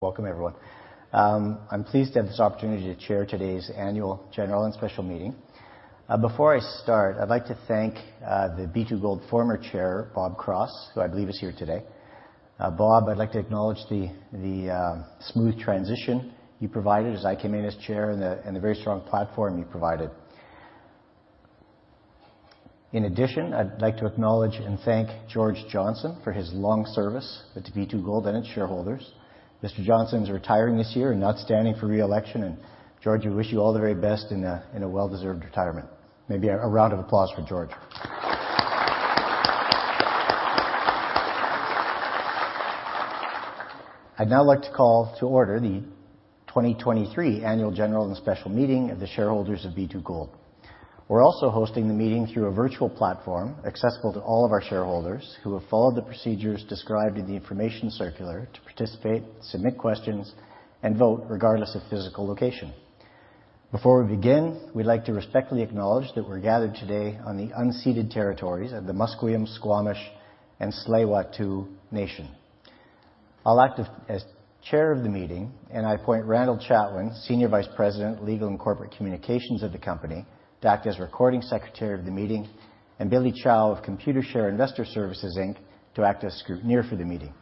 Welcome, everyone. I'm pleased to have this opportunity to chair today's annual general and special meeting. Before I start, I'd like to thank the B2Gold former chair, Bob Cross, who I believe is here today. Bob, I'd like to acknowledge the smooth transition you provided as I came in as chair and the very strong platform you provided. In addition, I'd like to acknowledge and thank George Johnson for his long service with the B2Gold and its shareholders. Mr. Johnson is retiring this year and not standing for reelection. And George, we wish you all the very best in a well-deserved retirement. Maybe a round of applause for George. I'd now like to call to order the 2023 annual general and special meeting of the shareholders of B2Gold. We're also hosting the meeting through a virtual platform accessible to all of our shareholders who have followed the procedures described in the information circular to participate, submit questions, and vote regardless of physical location. Before we begin, we'd like to respectfully acknowledge that we're gathered today on the unceded territories of the Musqueam, Squamish, and Tsleil-Waututh Nation. I'll act as chair of the meeting, and I appoint Randall Chatwin, Senior Vice President, Legal and Corporate Communications of the Company, to act as Recording Secretary of the meeting, and Billy Chow of Computershare Investor Services Inc., to act as Scrutineer for the meeting.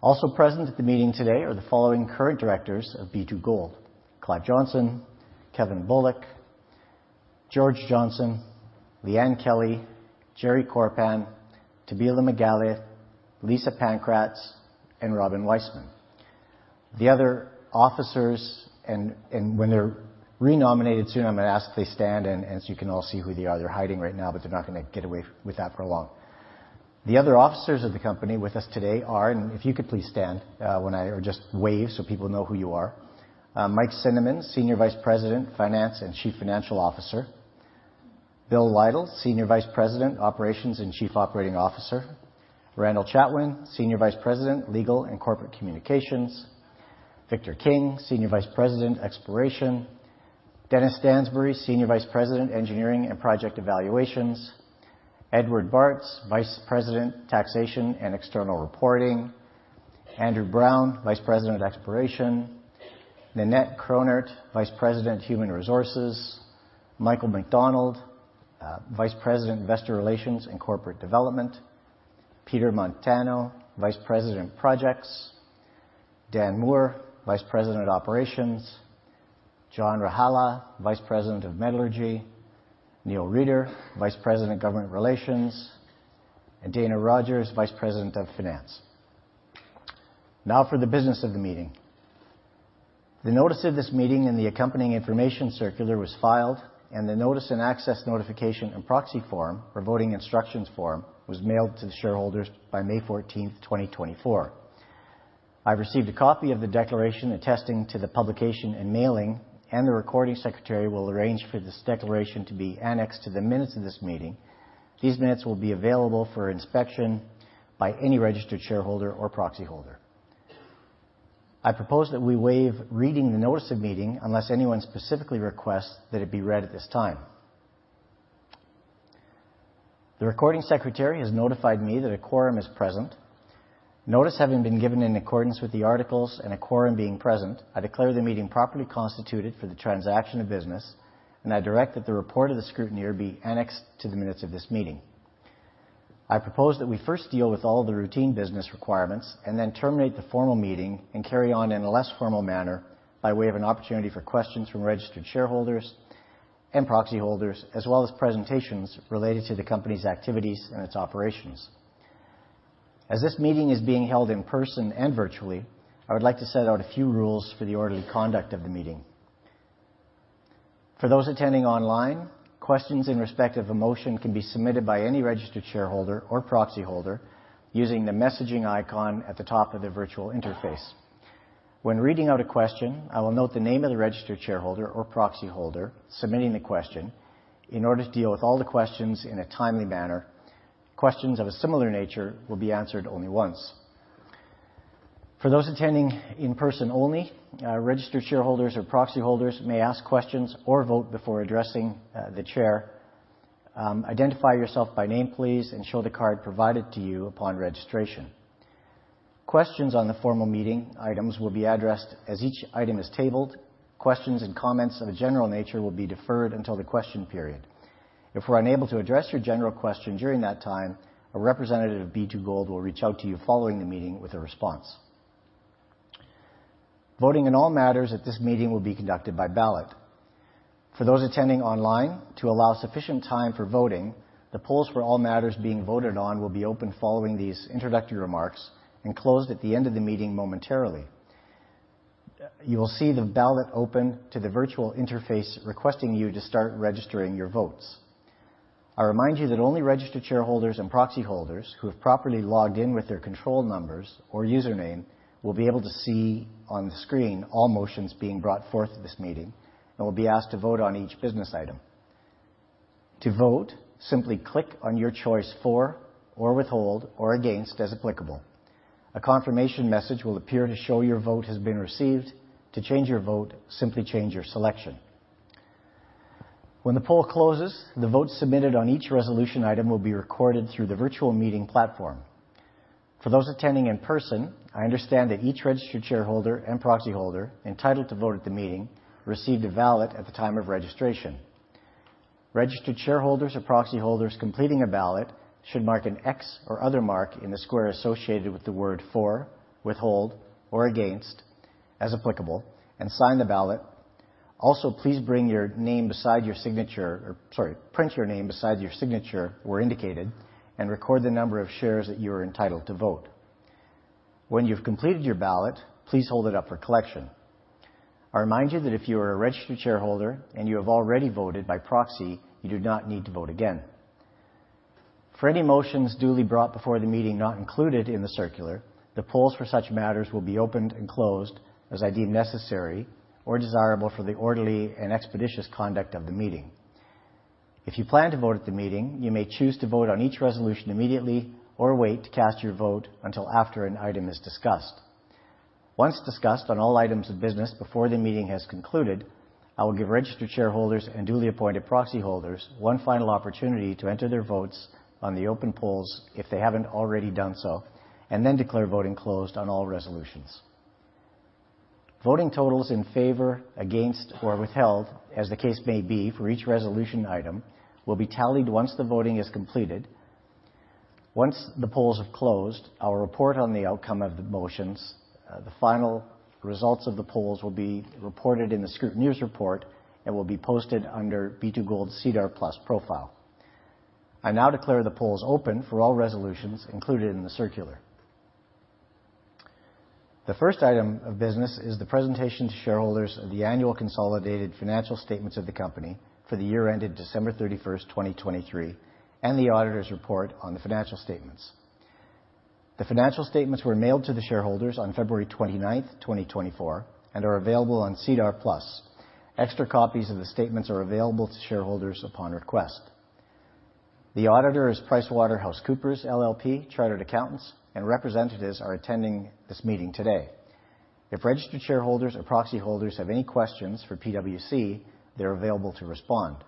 Also present at the meeting today are the following current directors of B2Gold: Clive Johnson, Kevin Bullock, George Johnson, Liane Kelly, Jerry Korpan, Thabile Msimang, Lisa Pankratz, and Robin Weisman. The other officers and when they're renominated soon, I'm gonna ask that they stand and so you can all see who they are. They're hiding right now, but they're not gonna get away with that for long. The other officers of the company with us today are, and if you could please stand when I or just wave so people know who you are. Mike Cinnamond, Senior Vice President, Finance and Chief Financial Officer. Bill Lytle, Senior Vice President, Operations and Chief Operating Officer. Randall Chatwin, Senior Vice President, Legal and Corporate Communications. Victor King, Senior Vice President, Exploration. Dennis Stansbury, Senior Vice President, Engineering and Project Evaluations. Edward Bartz, Vice President, Taxation and External Reporting. Andrew Brown, Vice President, Exploration. Ninette Cronje, Vice President, Human Resources. Michael McDonald, Vice President, Investor Relations and Corporate Development. Peter Montano, Vice President, Projects. Dan Moore, Vice President, Operations. John Rajala, Vice President of Metallurgy. Neil Reeder, Vice President, Government Relations. And Dana Rogers, Vice President of Finance. Now for the business of the meeting. The notice of this meeting and the accompanying information circular was filed, and the notice and access notification and proxy form, or voting instructions form, was mailed to the shareholders by May 14th, 2024. I've received a copy of the declaration attesting to the publication and mailing, and the Recording Secretary will arrange for this declaration to be annexed to the minutes of this meeting. These minutes will be available for inspection by any registered shareholder or proxy holder. I propose that we waive reading the notice of meeting unless anyone specifically requests that it be read at this time. The Recording Secretary has notified me that a quorum is present. Notice having been given in accordance with the articles and a quorum being present, I declare the meeting properly constituted for the transaction of business, and I direct that the report of the scrutineer be annexed to the minutes of this meeting. I propose that we first deal with all the routine business requirements and then terminate the formal meeting and carry on in a less formal manner by way of an opportunity for questions from registered shareholders and proxy holders, as well as presentations related to the company's activities and its operations. As this meeting is being held in person and virtually, I would like to set out a few rules for the orderly conduct of the meeting. For those attending online, questions in respect of a motion can be submitted by any registered shareholder or proxy holder using the messaging icon at the top of the virtual interface. When reading out a question, I will note the name of the registered shareholder or proxy holder submitting the question in order to deal with all the questions in a timely manner. Questions of a similar nature will be answered only once. For those attending in person only, registered shareholders or proxy holders may ask questions or vote before addressing the chair. Identify yourself by name, please, and show the card provided to you upon registration. Questions on the formal meeting items will be addressed as each item is tabled. Questions and comments of a general nature will be deferred until the question period. If we're unable to address your general question during that time, a representative of B2Gold will reach out to you following the meeting with a response. Voting in all matters at this meeting will be conducted by ballot. For those attending online, to allow sufficient time for voting, the polls for all matters being voted on will be opened following these introductory remarks and closed at the end of the meeting momentarily. You will see the ballot open to the virtual interface requesting you to start registering your votes. I remind you that only registered shareholders and proxy holders who have properly logged in with their control numbers or username will be able to see on the screen all motions being brought forth at this meeting and will be asked to vote on each business item. To vote, simply click on your choice for or withhold or against as applicable. A confirmation message will appear to show your vote has been received. To change your vote, simply change your selection. When the poll closes, the votes submitted on each resolution item will be recorded through the virtual meeting platform. For those attending in person, I understand that each registered shareholder and proxy holder entitled to vote at the meeting received a ballot at the time of registration. Registered shareholders or proxy holders completing a ballot should mark an X or other mark in the square associated with the word for, withhold, or against as applicable and sign the ballot. Also, please bring your name beside your signature or, sorry, print your name beside your signature where indicated and record the number of shares that you are entitled to vote. When you've completed your ballot, please hold it up for collection. I remind you that if you are a registered shareholder and you have already voted by proxy, you do not need to vote again. For any motions duly brought before the meeting not included in the circular, the polls for such matters will be opened and closed as I deem necessary or desirable for the orderly and expeditious conduct of the meeting. If you plan to vote at the meeting, you may choose to vote on each resolution immediately or wait to cast your vote until after an item is discussed. Once discussed on all items of business before the meeting has concluded, I will give registered shareholders and duly appointed proxy holders one final opportunity to enter their votes on the open polls if they haven't already done so and then declare voting closed on all resolutions. Voting totals in favor, against, or withheld, as the case may be, for each resolution item will be tallied once the voting is completed. Once the polls have closed, I'll report on the outcome of the motions. The final results of the polls will be reported in the scrutineer's report and will be posted under B2Gold's SEDAR+ profile. I now declare the polls open for all resolutions included in the circular. The first item of business is the presentation to shareholders of the annual consolidated financial statements of the company for the year ended December 31st, 2023, and the auditor's report on the financial statements. The financial statements were mailed to the shareholders on February 29th, 2024, and are available on SEDAR+. Extra copies of the statements are available to shareholders upon request. The auditor is PricewaterhouseCoopers LLP Chartered Accountants, and representatives are attending this meeting today. If registered shareholders or proxy holders have any questions for PWC, they're available to respond.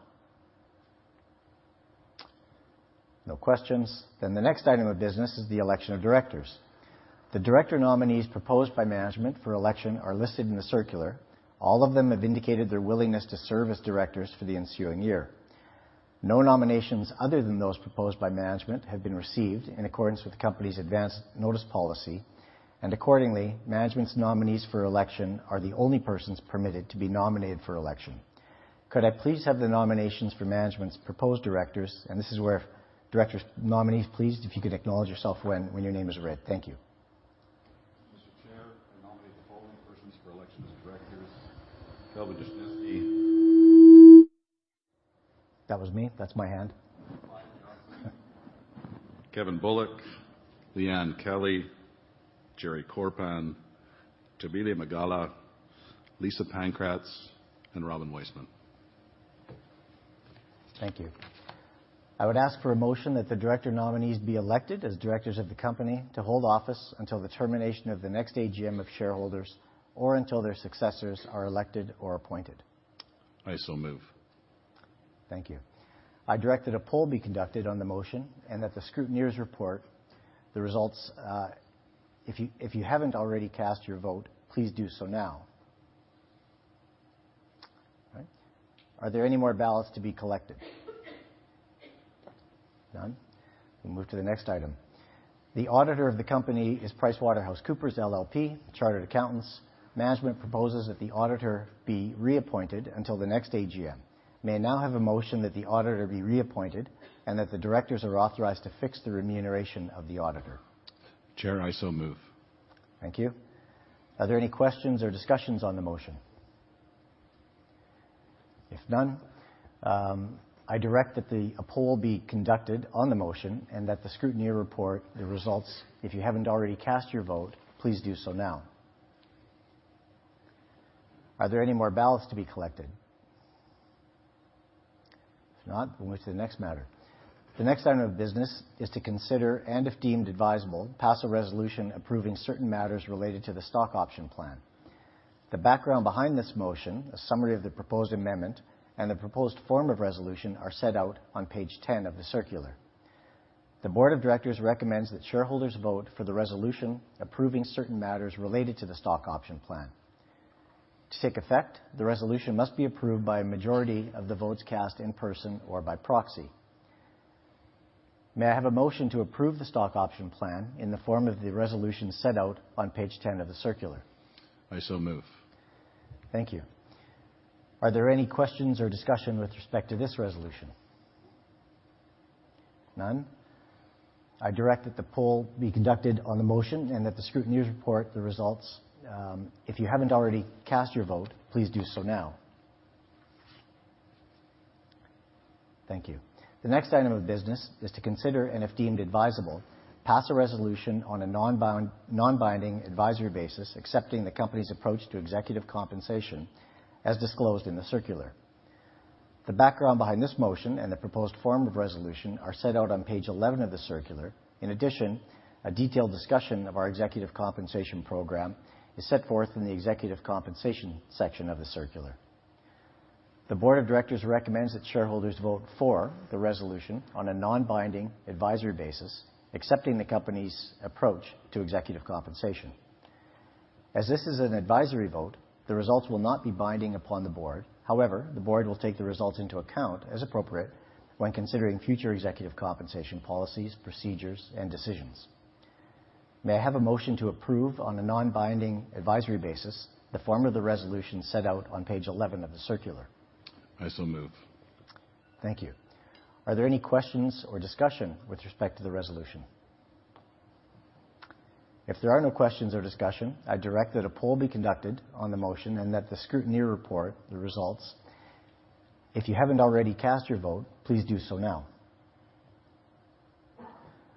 No questions. Then the next item of business is the election of directors. The director nominees proposed by management for election are listed in the circular. All of them have indicated their willingness to serve as directors for the ensuing year. No nominations other than those proposed by management have been received in accordance with the company's advance notice policy, and accordingly, management's nominees for election are the only persons permitted to be nominated for election. Could I please have the nominations for management's proposed directors? And this is where director nominees, please, if you can acknowledge yourself when your name is read. Thank you. Mr. Chair, I nominate the following persons for election as directors: Kelvin Dushnisky. That was me. That's my hand. Kevin Bullock, Liane Kelly, Jerry Korpan, Thabile Makgala, Lisa Pankratz, and Robin Weisman. Thank you. I would ask for a motion that the director nominees be elected as directors of the company to hold office until the termination of the next AGM of shareholders or until their successors are elected or appointed. I so move. Thank you. I direct that a poll be conducted on the motion and that the scrutineer's report, the results, if you haven't already cast your vote, please do so now. All right. Are there any more ballots to be collected? None. We'll move to the next item. The auditor of the company is PricewaterhouseCoopers LLP, Chartered Accountants. Management proposes that the auditor be reappointed until the next AGM. May I now have a motion that the auditor be reappointed and that the directors are authorized to fix the remuneration of the auditor? Chair, I so move. Thank you. Are there any questions or discussions on the motion? If none, I direct that a poll be conducted on the motion and that the scrutineer report the results. If you haven't already cast your vote, please do so now. Are there any more ballots to be collected? If not, we'll move to the next matter. The next item of business is to consider, and if deemed advisable, pass a resolution approving certain matters related to the stock option plan. The background behind this motion, a summary of the proposed amendment, and the proposed form of resolution are set out on page 10 of the circular. The Board of Directors recommends that shareholders vote for the resolution approving certain matters related to the stock option plan. To take effect, the resolution must be approved by a majority of the votes cast in person or by proxy. May I have a motion to approve the stock option plan in the form of the resolution set out on page 10 of the circular? I so move. Thank you. Are there any questions or discussion with respect to this resolution? None. I direct that the poll be conducted on the motion and that the scrutineer report the results. If you haven't already cast your vote, please do so now. Thank you. The next item of business is to consider and, if deemed advisable, pass a resolution on a non-binding advisory basis accepting the company's approach to executive compensation as disclosed in the circular. The background behind this motion and the proposed form of resolution are set out on page 11 of the circular. In addition, a detailed discussion of our executive compensation program is set forth in the executive compensation section of the circular. The Board of Directors recommends that shareholders vote for the resolution on a non-binding advisory basis accepting the company's approach to executive compensation. As this is an advisory vote, the results will not be binding upon the board. However, the board will take the results into account as appropriate when considering future executive compensation policies, procedures, and decisions. May I have a motion to approve on a non-binding advisory basis the form of the resolution set out on page 11 of the circular? I so move. Thank you. Are there any questions or discussion with respect to the resolution? If there are no questions or discussion, I direct that a poll be conducted on the motion and that the scrutineer report the results. If you haven't already cast your vote, please do so now.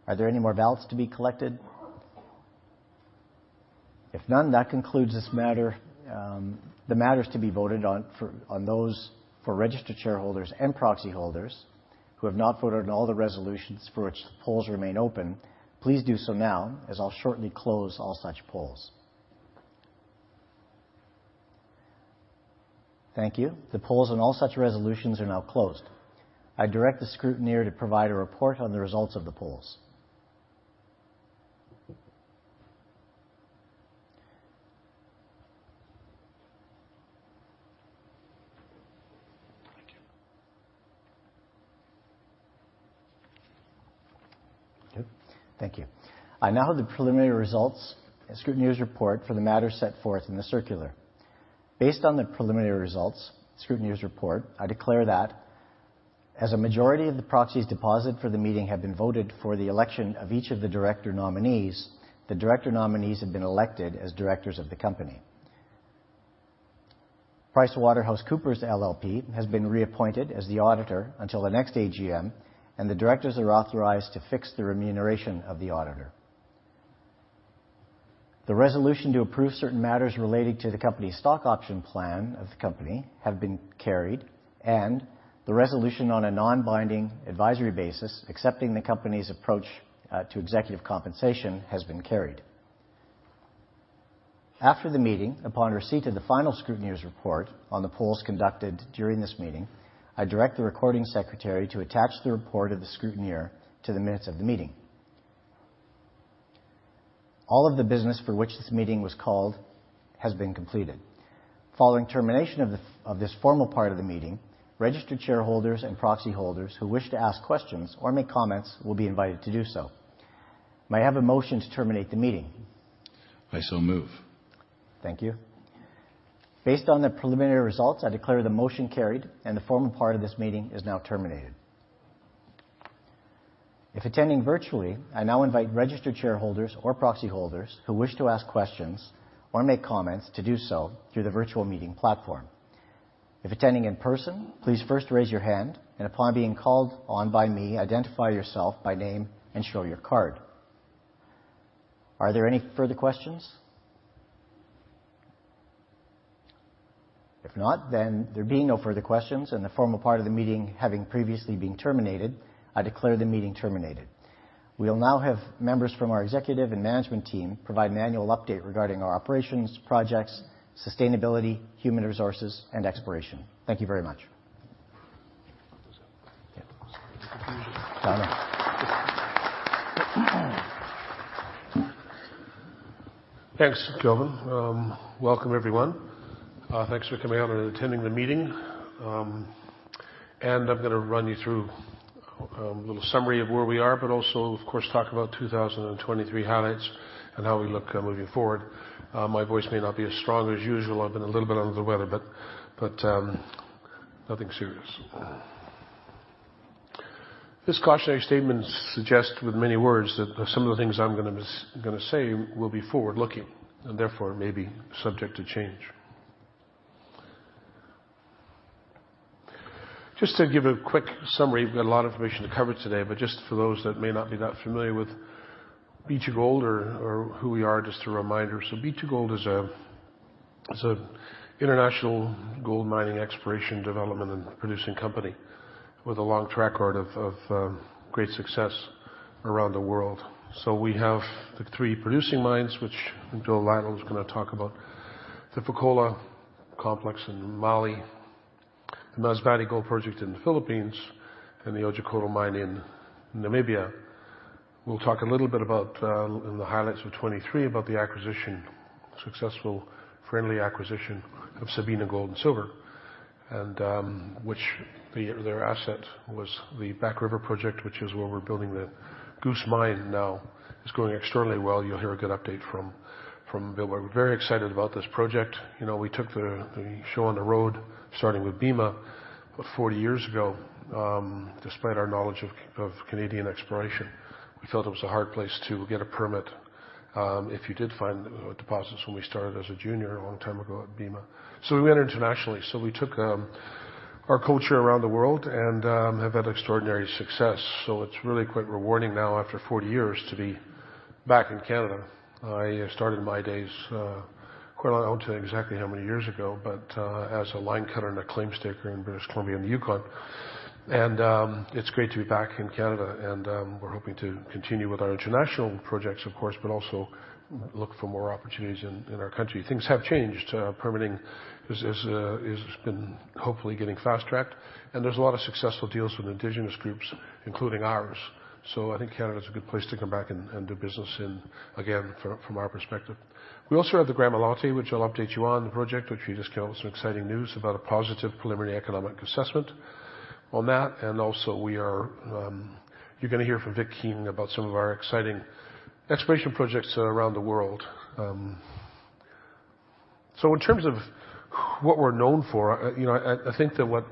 Are there any more ballots to be collected? If none, that concludes this matter. The matter is to be voted on for those registered shareholders and proxy holders who have not voted on all the resolutions for which the polls remain open. Please do so now as I'll shortly close all such polls. Thank you. The polls on all such resolutions are now closed. I direct the scrutineer to provide a report on the results of the polls. Thank you. Thank you. I now have the preliminary results and scrutineer's report for the matter set forth in the circular. Based on the preliminary results scrutineer's report, I declare that as a majority of the proxies deposited for the meeting have been voted for the election of each of the director nominees, the director nominees have been elected as directors of the company. PricewaterhouseCoopers LLP has been reappointed as the auditor until the next AGM, and the directors are authorized to fix the remuneration of the auditor. The resolution to approve certain matters related to the company's stock option plan of the company have been carried, and the resolution on a non-binding advisory basis accepting the company's approach to executive compensation has been carried. After the meeting, upon receipt of the final scrutineer's report on the polls conducted during this meeting, I direct the recording secretary to attach the report of the scrutineer to the minutes of the meeting. All of the business for which this meeting was called has been completed. Following termination of this formal part of the meeting, registered shareholders and proxy holders who wish to ask questions or make comments will be invited to do so. May I have a motion to terminate the meeting? I so move. Thank you. Based on the preliminary results, I declare the motion carried, and the formal part of this meeting is now terminated. If attending virtually, I now invite registered shareholders or proxy holders who wish to ask questions or make comments to do so through the virtual meeting platform. If attending in person, please first raise your hand, and upon being called on by me, identify yourself by name and show your card. Are there any further questions? If not, then there being no further questions and the formal part of the meeting having previously been terminated, I declare the meeting terminated. We'll now have members from our executive and management team provide an annual update regarding our operations, projects, sustainability, human resources, and exploration. Thank you very much. Thanks, Kelvin. Welcome everyone. Thanks for coming out and attending the meeting. I'm gonna run you through a little summary of where we are, but also, of course, talk about 2023 highlights and how we look moving forward. My voice may not be as strong as usual. I've been a little bit out of the weather, but nothing serious. This cautionary statement suggests with many words that some of the things I'm gonna say will be forward-looking and therefore may be subject to change. Just to give a quick summary, we've got a lot of information to cover today, but just for those that may not be that familiar with B2Gold or who we are, just a reminder. So B2Gold is an international gold mining, exploration, development, and producing company with a long track record of great success around the world. So we have the three producing mines, which Bill Lytle is gonna talk about: the Fekola Complex in Mali, the Masbate Gold Project in the Philippines, and the Otjikoto Mine in Namibia. We'll talk a little bit about, in the highlights of 2023 about the acquisition, successful friendly acquisition of Sabina Gold & Silver, and, which their asset was the Back River Project, which is where we're building the Goose Mine. Now it's going extraordinarily well. You'll hear a good update from Bill. We're very excited about this project. You know, we took the show on the road, starting with Bema about 40 years ago. Despite our knowledge of Canadian exploration, we felt it was a hard place to get a permit, if you did find deposits when we started as a junior a long time ago at Bema. So we went internationally. We took our culture around the world and have had extraordinary success. It's really quite rewarding now after 40 years to be back in Canada. I started my days, I won't tell you exactly how many years ago, but as a line cutter and a claim staker in British Columbia and Yukon. It's great to be back in Canada, and we're hoping to continue with our international projects, of course, but also look for more opportunities in our country. Things have changed. Permitting has been hopefully getting fast-tracked, and there's a lot of successful deals with indigenous groups, including ours. I think Canada's a good place to come back and do business in again from our perspective. We also have the Gramalote, which I'll update you on the project, which we just came out with some exciting news about a positive preliminary economic assessment on that. And also, we are, you're gonna hear from Vic King about some of our exciting exploration projects around the world. So in terms of what we're known for, you know, I think that what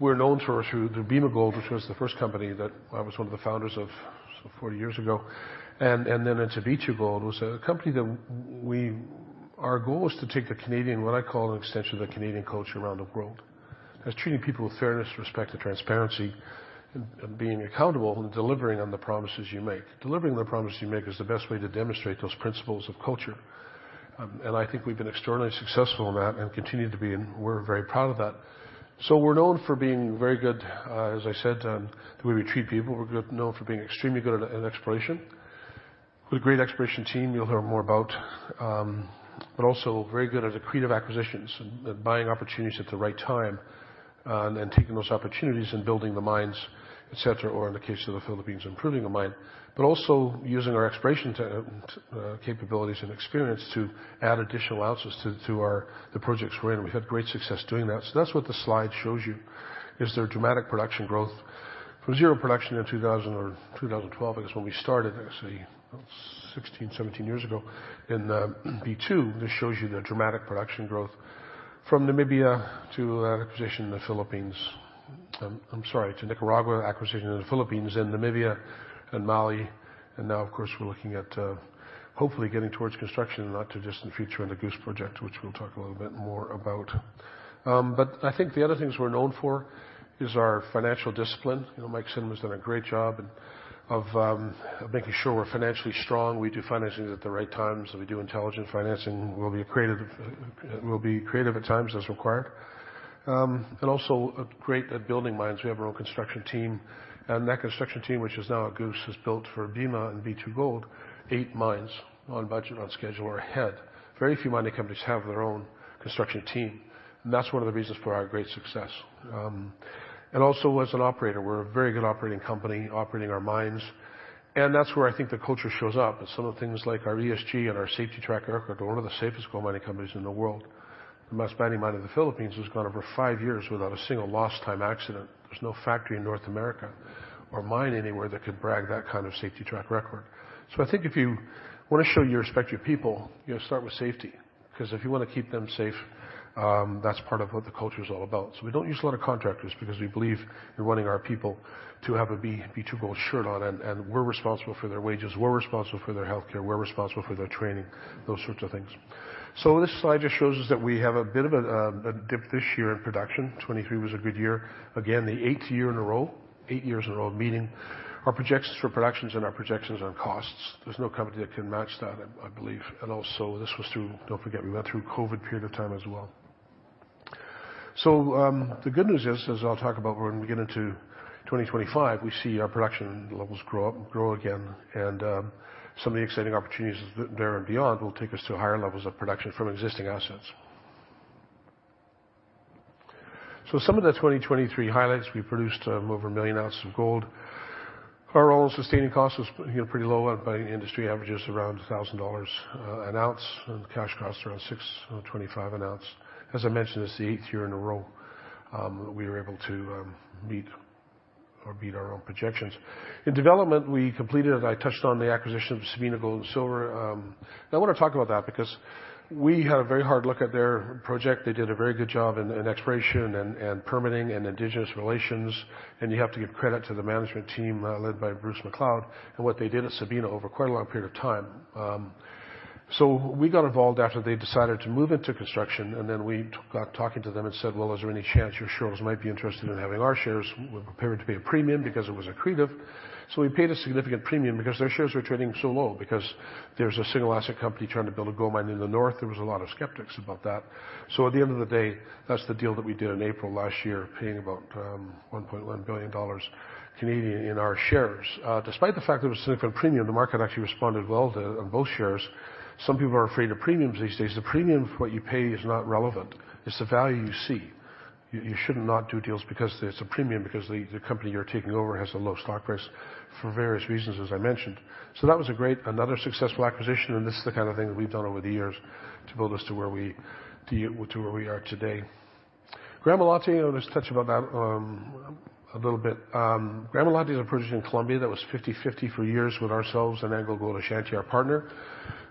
we're known for is through the Bema Gold, which was the first company that I was one of the founders of 40 years ago. And then into B2Gold was a company that we, our goal is to take the Canadian, what I call an extension of the Canadian culture around the world, as treating people with fairness, respect, and transparency, and being accountable and delivering on the promises you make. Delivering on the promises you make is the best way to demonstrate those principles of culture. I think we've been extraordinarily successful in that and continue to be, and we're very proud of that. So we're known for being very good, as I said, that we retain people. We're known for being extremely good at exploration, with a great exploration team you'll hear more about, but also very good at accretive acquisitions and buying opportunities at the right time, and then taking those opportunities and building the mines, etc., or in the case of the Philippines, improving the mine, but also using our exploration capabilities and experience to add additional assets to our projects we're in. We've had great success doing that. So that's what the slide shows you, is their dramatic production growth from zero production in 2000 or 2012, I guess when we started, I'd say 16, 17 years ago in B2. This shows you the dramatic production growth from Namibia to acquisition in the Philippines. I'm sorry, to Nicaragua acquisition in the Philippines and Namibia and Mali. And now, of course, we're looking at, hopefully getting towards construction in the not-too-distant future on the goose project, which we'll talk a little bit more about. But I think the other things we're known for is our financial discipline. You know, Mike Cinnamond's done a great job of, making sure we're financially strong. We do financing at the right times, and we do intelligent financing. We'll be creative at times as required. And also great at building mines. We have our own construction team, and that construction team, which is now at Goose, has built for Bema and B2Gold eight mines on budget, on schedule, or ahead. Very few mining companies have their own construction team, and that's one of the reasons for our great success, and also as an operator, we're a very good operating company, operating our mines, and that's where I think the culture shows up. It's some of the things like our ESG and our safety track record. We're one of the safest gold mining companies in the world. The Masbate Mine of the Philippines has gone over five years without a single lost-time accident. There's no factory in North America or mine anywhere that could brag that kind of safety track record. So I think if you wanna show your respect to your people, you gotta start with safety, 'cause if you wanna keep them safe, that's part of what the culture's all about. So we don't use a lot of contractors because we believe in running our people to have a B2Gold shirt on, and we're responsible for their wages. We're responsible for their healthcare. We're responsible for their training, those sorts of things. So this slide just shows us that we have a bit of a dip this year in production. 2023 was a good year. Again, the eighth year in a row, eight years in a row of meeting our projections for productions and our projections on costs. There's no company that can match that, I believe. And also, this was through, don't forget, we went through a COVID period of time as well. The good news is, as I'll talk about when we get into 2025, we see our production levels grow up, grow again, and some of the exciting opportunities there and beyond will take us to higher levels of production from existing assets. Some of the 2023 highlights, we produced over a million ounces of gold. Our All-in sustaining cost was, you know, pretty low, and by industry averages around $1,000 an ounce, and cash costs around $625 an ounce. As I mentioned, it's the eighth year in a row that we were able to meet or beat our own projections. In development, we completed the acquisition of Sabina Gold and Silver. I touched on the acquisition. I wanna talk about that because we had a very hard look at their project. They did a very good job in exploration and permitting and indigenous relations, and you have to give credit to the management team led by Bruce McLeod and what they did at Sabina over quite a long period of time. So we got involved after they decided to move into construction, and then we got talking to them and said, "Well, is there any chance your shareholders might be interested in having our shares? We're prepared to pay a premium because it was accretive." So we paid a significant premium because their shares were trading so low because there's a single asset company trying to build a gold mine in the north. There was a lot of skeptics about that. So at the end of the day, that's the deal that we did in April last year, paying about 1.1 billion Canadian dollars in our shares. Despite the fact there was a significant premium, the market actually responded well to both shares. Some people are afraid of premiums these days. The premium, what you pay, is not relevant. It's the value you see. You should not do deals because it's a premium, because the company you're taking over has a low stock price for various reasons, as I mentioned. So that was a great, another successful acquisition, and this is the kind of thing that we've done over the years to build us to where we—to where we are today. Gramalote, I'll just touch about that, a little bit. Gramalote is a producer in Colombia that was 50/50 for years with ourselves and AngloGold Ashanti, our partner.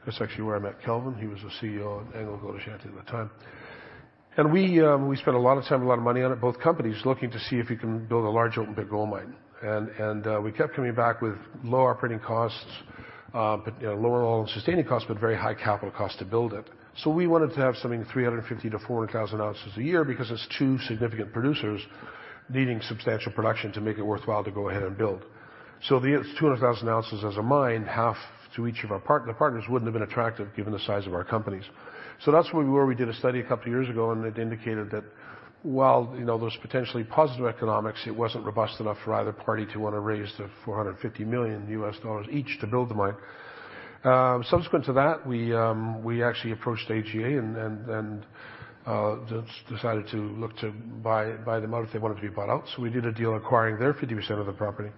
That's actually where I met Kelvin. He was the CEO of AngloGold Ashanti at the time. And we spent a lot of time, a lot of money on it, both companies looking to see if we can build a large open-pit gold mine. And we kept coming back with low operating costs, but you know, lower all sustaining costs, but very high capital costs to build it. So we wanted to have something 350-400,000 ounces a year because it's two significant producers needing substantial production to make it worthwhile to go ahead and build. So the 200,000 ounces as a mine, half to each of our partners wouldn't have been attractive given the size of our companies. So that's where we did a study a couple of years ago, and it indicated that while you know, there's potentially positive economics, it wasn't robust enough for either party to wanna raise the $450 million each to build the mine. Subsequent to that, we actually approached AGA and decided to look to buy them out if they wanted to be bought out. So we did a deal acquiring their 50% of the property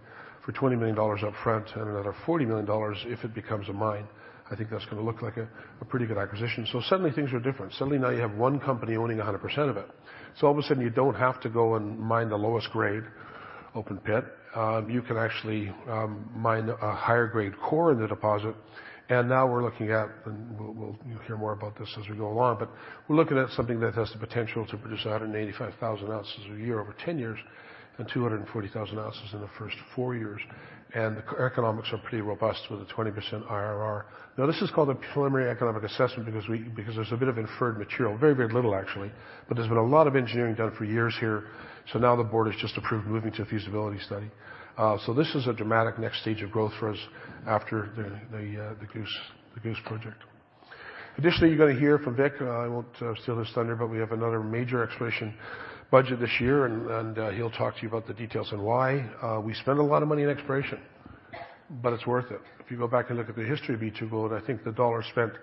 for $20 million upfront and another $40 million if it becomes a mine. I think that's gonna look like a pretty good acquisition. So suddenly things are different. Suddenly now you have one company owning 100% of it. So all of a sudden you don't have to go and mine the lowest grade open pit. You can actually mine a higher grade core in the deposit. And now we're looking at, and we'll, you'll hear more about this as we go along, but we're looking at something that has the potential to produce 185,000 ounces a year over 10 years and 240,000 ounces in the first four years. The economics are pretty robust with a 20% IRR. Now this is called a preliminary economic assessment because there's a bit of inferred material, very, very little actually, but there's been a lot of engineering done for years here. The board has just approved moving to a feasibility study. This is a dramatic next stage of growth for us after the Goose Project. Additionally, you're gonna hear from Vic. I won't steal his thunder, but we have another major exploration budget this year, and he'll talk to you about the details and why. We spend a lot of money in exploration, but it's worth it. If you go back and look at the history of B2Gold, I think the dollar spent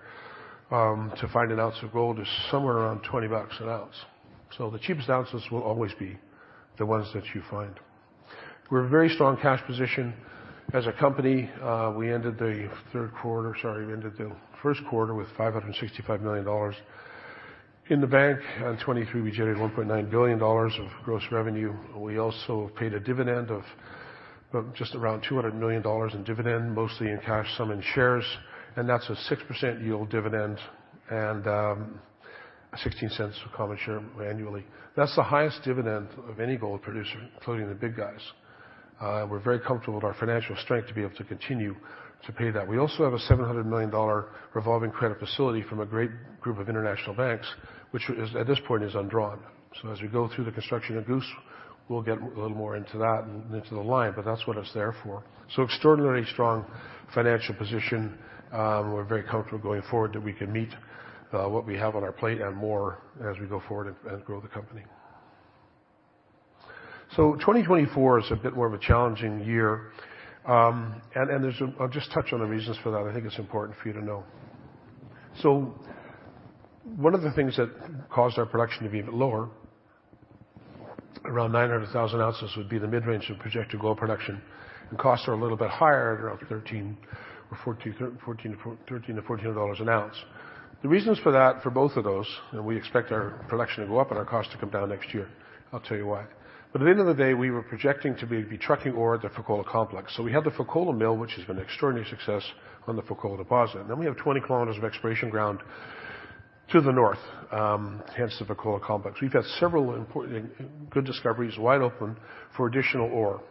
to find an ounce of gold is somewhere around 20 bucks an ounce. So the cheapest ounces will always be the ones that you find. We're a very strong cash position as a company. We ended the third quarter, sorry, we ended the first quarter with $565 million in the bank. In 2023, we generated $1.9 billion of gross revenue. We also paid a dividend of just around $200 million in dividend, mostly in cash, some in shares, and that's a 6% yield dividend and $0.16 of common share annually. That's the highest dividend of any gold producer, including the big guys. We're very comfortable with our financial strength to be able to continue to pay that. We also have a $700 million revolving credit facility from a great group of international banks, which is at this point undrawn. So as we go through the construction of Goose, we'll get a little more into that and into the Llama, but that's what it's there for. So, extraordinarily strong financial position. We're very comfortable going forward that we can meet what we have on our plate and more as we go forward and grow the company. So 2024 is a bit more of a challenging year, and, and there's a. I'll just touch on the reasons for that. I think it's important for you to know. So one of the things that caused our production to be a bit lower, around 900,000 ounces, would be the mid-range of projected gold production. And costs are a little bit higher, around 13 or 14, $13-$14 an ounce. The reasons for that, for both of those, and we expect our production to go up and our costs to come down next year. I'll tell you why, but at the end of the day, we were projecting to be trucking ore at the Fekola Complex, so we had the Fekola Mill, which has been an extraordinary success on the Fekola Deposit, and then we have 20 km of exploration ground to the north, hence the Fekola Complex. We've had several important good discoveries wide open for additional ore.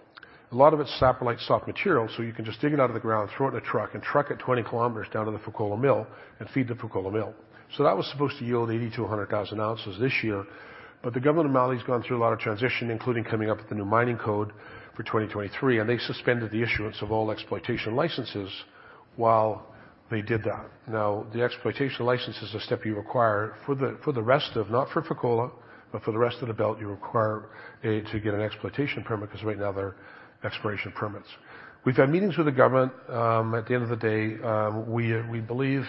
A lot of it's saprolite soft material, so you can just dig it out of the ground, throw it in a truck, and truck it 20 km down to the Fekola Mill and feed the Fekola Mill. So that was supposed to yield 80,000-100,000 ounces this year, but the government of Mali's gone through a lot of transition, including coming up with the new 2023 Mining Code, and they suspended the issuance of all exploitation licenses while they did that. Now, the exploitation license is a step you require for the, for the rest of, not for Fekola, but for the rest of the belt, you require to get an exploitation permit 'cause right now they're exploration permits. We've had meetings with the government. At the end of the day, we believe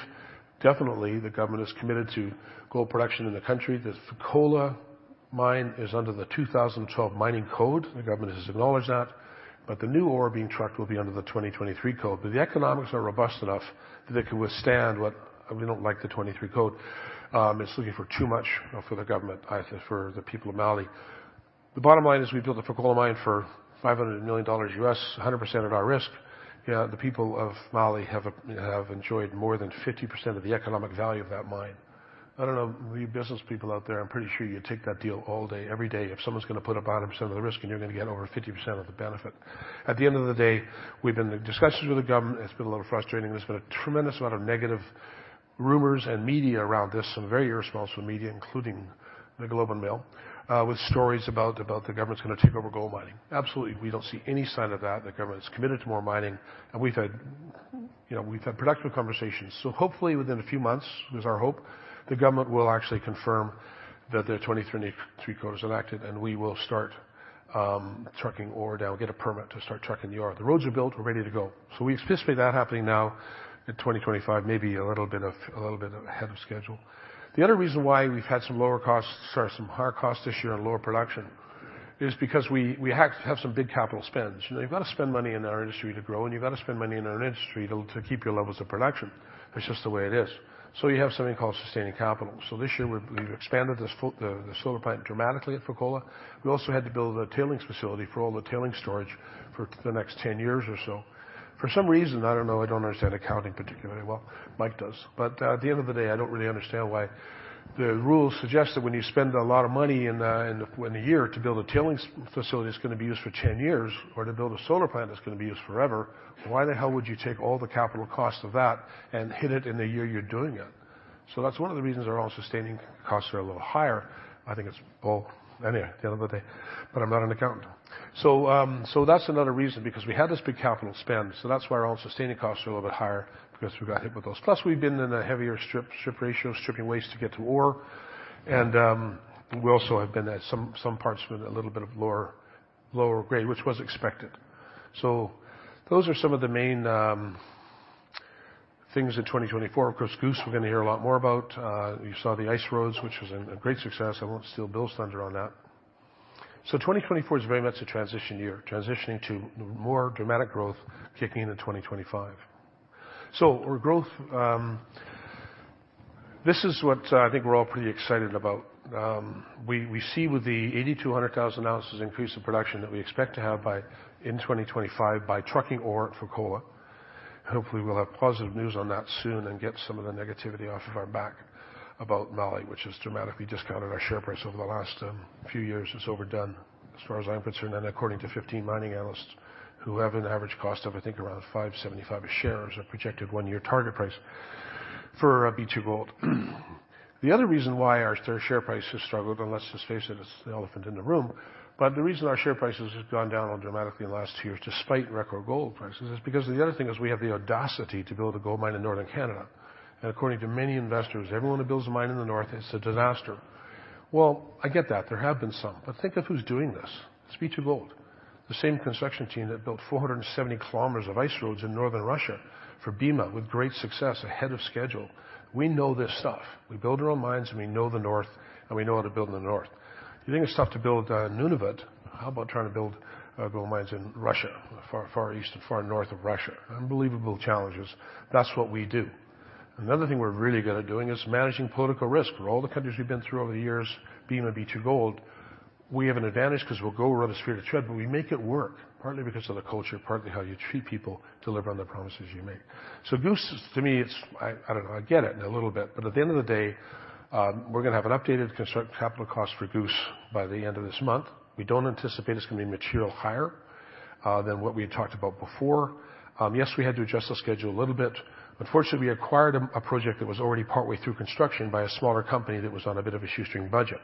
definitely the government is committed to gold production in the country. The Fekola Mine is under the 2012 Mining Code. The government has acknowledged that, but the new ore being trucked will be under the 2023 Mining Code. But the economics are robust enough that they could withstand what we don't like the '23 code. It's looking for too much for the government, for the people of Mali. The bottom line is we built the Fekola mine for $500 million USD, 100% at our risk. Yeah, the people of Mali have enjoyed more than 50% of the economic value of that mine. I don't know, you business people out there, I'm pretty sure you'd take that deal all day, every day if someone's gonna put up 100% of the risk and you're gonna get over 50% of the benefit. At the end of the day, we've been in discussions with the government. It's been a little frustrating. There's been a tremendous amount of negative rumors and media around this, some very irresponsible media, including the Globe and Mail, with stories about the government's gonna take over gold mining. Absolutely. We don't see any sign of that. The government's committed to more mining, and we've had, you know, we've had productive conversations. So hopefully within a few months, it was our hope, the government will actually confirm that the 2023 code is enacted and we will start trucking ore down, get a permit to start trucking the ore. The roads are built. We're ready to go. So we anticipate that happening now in 2025, maybe a little bit ahead of schedule. The other reason why we've had some lower costs, sorry, some higher costs this year and lower production is because we have to have some big capital spends. You know, you've gotta spend money in our industry to grow, and you've gotta spend money in our industry to keep your levels of production. That's just the way it is. So you have something called sustaining capital. So this year we've expanded the solar plant dramatically at Fekola. We also had to build a tailings facility for all the tailings storage for the next 10 years or so. For some reason, I don't know, I don't understand accounting particularly well. Mike does. But at the end of the day, I don't really understand why the rules suggest that when you spend a lot of money in the year to build a tailings facility is gonna be used for 10 years or to build a solar plant that's gonna be used forever. Why the hell would you take all the capital cost of that and hit it in the year you're doing it? So that's one of the reasons our All-in Sustaining Costs are a little higher. I think it's all, anyway, at the end of the day, but I'm not an accountant. So, so that's another reason because we had this big capital spend. So that's why our All-in Sustaining Costs are a little bit higher because we got hit with those. Plus we've been in a heavier strip, strip ratio, stripping waste to get to ore. And, we also have been at some, some parts with a little bit of lower, lower grade, which was expected. So those are some of the main, things in 2024. Of course, Goose, we're gonna hear a lot more about. You saw the ice roads, which was a great success. I won't steal Bill's thunder on that. 2024 is very much a transition year, transitioning to more dramatic growth kicking into 2025. Our growth, this is what I think we're all pretty excited about. We see with the 80-100,000 ounces increase in production that we expect to have by 2025 by trucking ore at Fekola. Hopefully we'll have positive news on that soon and get some of the negativity off of our back about Mali, which has dramatically discounted our share price over the last few years. It's overdone as far as I'm concerned, according to 15 mining analysts who have an average target of, I think, around $5.75 a share as a projected one-year target price for B2Gold. The other reason why our share price has struggled, and let's just face it, it's the elephant in the room. The reason our share prices have gone down dramatically in the last two years, despite record gold prices, is because the other thing is we have the audacity to build a gold mine in northern Canada. According to many investors, everyone who builds a mine in the north, it's a disaster. I get that. There have been some, but think of who's doing this. It's B2Gold, the same construction team that built 470 km of ice roads in northern Russia for Bema with great success ahead of schedule. We know this stuff. We build our own mines and we know the north and we know how to build in the north. You think it's tough to build in Nunavut? How about trying to build gold mines in Russia, far, far east and far north of Russia? Unbelievable challenges. That's what we do. The other thing we're really good at doing is managing political risk. For all the countries we've been through over the years, Bema and B2Gold, we have an advantage 'cause we'll go around a sphere to tread, but we make it work partly because of the culture, partly how you treat people delivering the promises you make. So Goose, to me, it's, I don't know, I get it a little bit, but at the end of the day, we're gonna have an updated construction capital cost for Goose by the end of this month. We don't anticipate it's gonna be material higher than what we had talked about before. Yes, we had to adjust the schedule a little bit. Unfortunately, we acquired a project that was already partway through construction by a smaller company that was on a bit of a shoestring budget.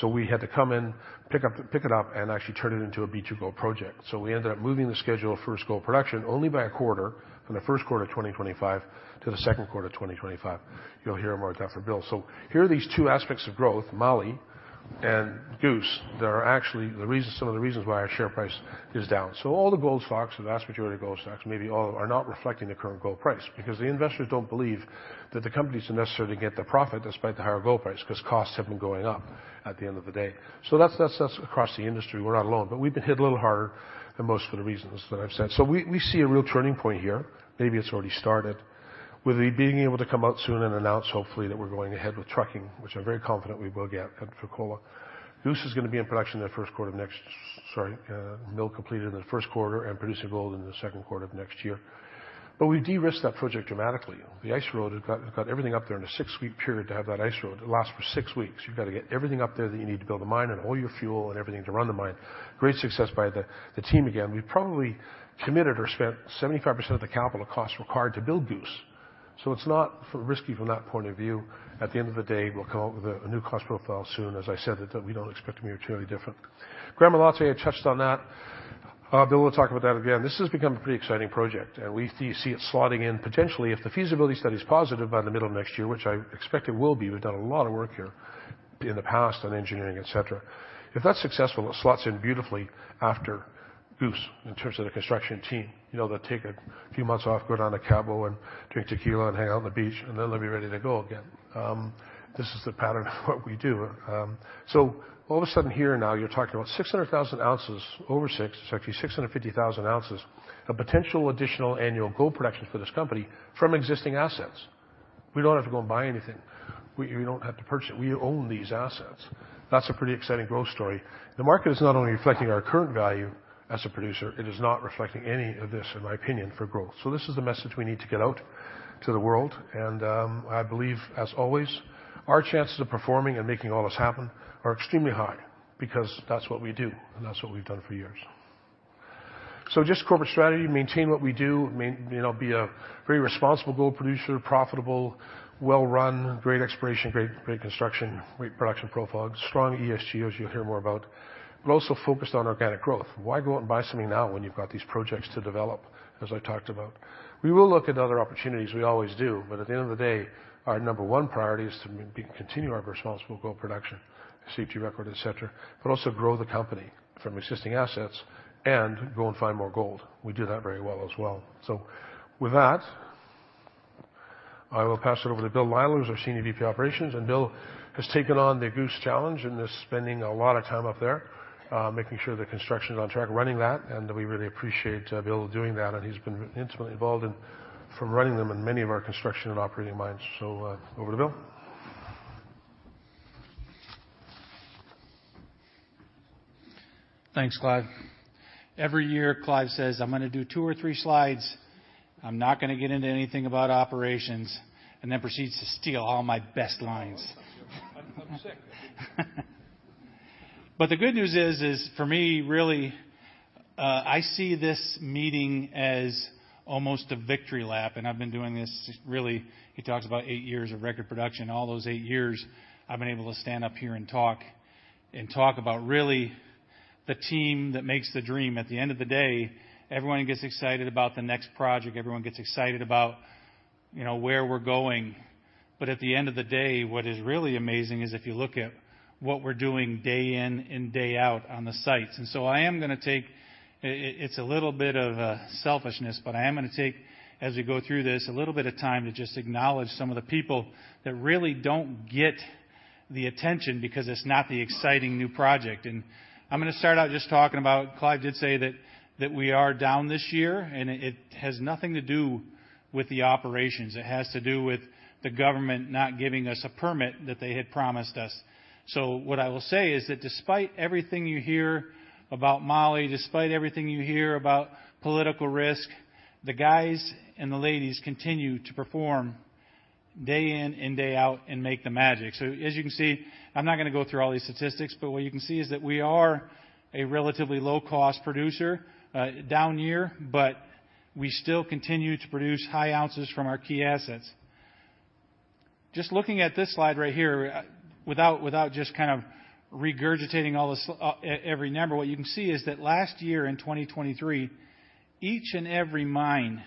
So we had to come in, pick up, pick it up and actually turn it into a B2Gold project. So we ended up moving the schedule of first gold production only by a quarter from the first quarter of 2025 to the second quarter of 2025. You'll hear more of that from Bill. So here are these two aspects of growth, Mali and Goose, that are actually the reason, some of the reasons why our share price is down. So all the gold stocks, the vast majority of gold stocks, maybe all are not reflecting the current gold price because the investors don't believe that the company's necessary to get the profit despite the higher gold price 'cause costs have been going up at the end of the day. So that's across the industry. We're not alone, but we've been hit a little harder than most of the reasons that I've said. So we see a real turning point here. Maybe it's already started with the being able to come out soon and announce hopefully that we're going ahead with trucking, which I'm very confident we will get at Fekola. Goose is gonna be in production in the first quarter of next, sorry, mill completed in the first quarter and producing gold in the second quarter of next year. But we've de-risked that project dramatically. The ice road has got everything up there in a six-week period to have that ice road. It lasts for six weeks. You've gotta get everything up there that you need to build a mine and all your fuel and everything to run the mine. Great success by the team again. We probably committed or spent 75% of the capital cost required to build Goose. So it's not risky from that point of view. At the end of the day, we'll come up with a new cost profile soon. As I said, we don't expect to be entirely different. Gramalote had touched on that. Bill will talk about that again. This has become a pretty exciting project, and we see it slotting in potentially if the feasibility study's positive by the middle of next year, which I expect it will be. We've done a lot of work here in the past on engineering, et cetera. If that's successful, it slots in beautifully after Goose in terms of the construction team. You know, they'll take a few months off, go down to Cabo and drink tequila and hang out on the beach, and then they'll be ready to go again. This is the pattern of what we do, so all of a sudden here and now you're talking about 600,000 ounces over six. It's actually 650,000 ounces, a potential additional annual gold production for this company from existing assets. We don't have to go and buy anything. We, we don't have to purchase it. We own these assets. That's a pretty exciting growth story. The market is not only reflecting our current value as a producer, it is not reflecting any of this, in my opinion, for growth, so this is the message we need to get out to the world, and, I believe, as always, our chances of performing and making all this happen are extremely high because that's what we do and that's what we've done for years. So just corporate strategy, maintain what we do, main, you know, be a very responsible gold producer, profitable, well-run, great exploration, great, great construction, great production profile, strong ESG, as you'll hear more about, but also focused on organic growth. Why go out and buy something now when you've got these projects to develop, as I talked about? We will look at other opportunities. We always do. But at the end of the day, our number one priority is to continue our responsible gold production, safety record, et cetera, but also grow the company from existing assets and go and find more gold. We do that very well as well. So with that, I will pass it over to Bill Lytle, who's our Senior VP, Operations. Will has taken on the Goose challenge and is spending a lot of time up there, making sure the construction's on track, running that. We really appreciate, Bill, doing that. He's been intimately involved in, from running them and many of our construction and operating mines. So, over to Bill. Thanks, Clive. Every year Clive says, "I'm gonna do two or three slides. I'm not gonna get into anything about operations," and then proceeds to steal all my best lines. The good news is for me, really, I see this meeting as almost a victory lap. I've been doing this really. He talks about eight years of record production. All those eight years, I've been able to stand up here and talk, and talk about really the team that makes the dream. At the end of the day, everyone gets excited about the next project. Everyone gets excited about, you know, where we're going. But at the end of the day, what is really amazing is if you look at what we're doing day in and day out on the sites. And so I am gonna take, it's a little bit of a selfishness, but I am gonna take, as we go through this, a little bit of time to just acknowledge some of the people that really don't get the attention because it's not the exciting new project. And I'm gonna start out just talking about, Clive did say that, that we are down this year, and it has nothing to do with the operations. It has to do with the government not giving us a permit that they had promised us. What I will say is that despite everything you hear about Mali, despite everything you hear about political risk, the guys and the ladies continue to perform day in and day out and make the magic. As you can see, I'm not gonna go through all these statistics, but what you can see is that we are a relatively low-cost producer, down year, but we still continue to produce high ounces from our key assets. Just looking at this slide right here, without just kind of regurgitating all this, every number, what you can see is that last year in 2023, each and every mine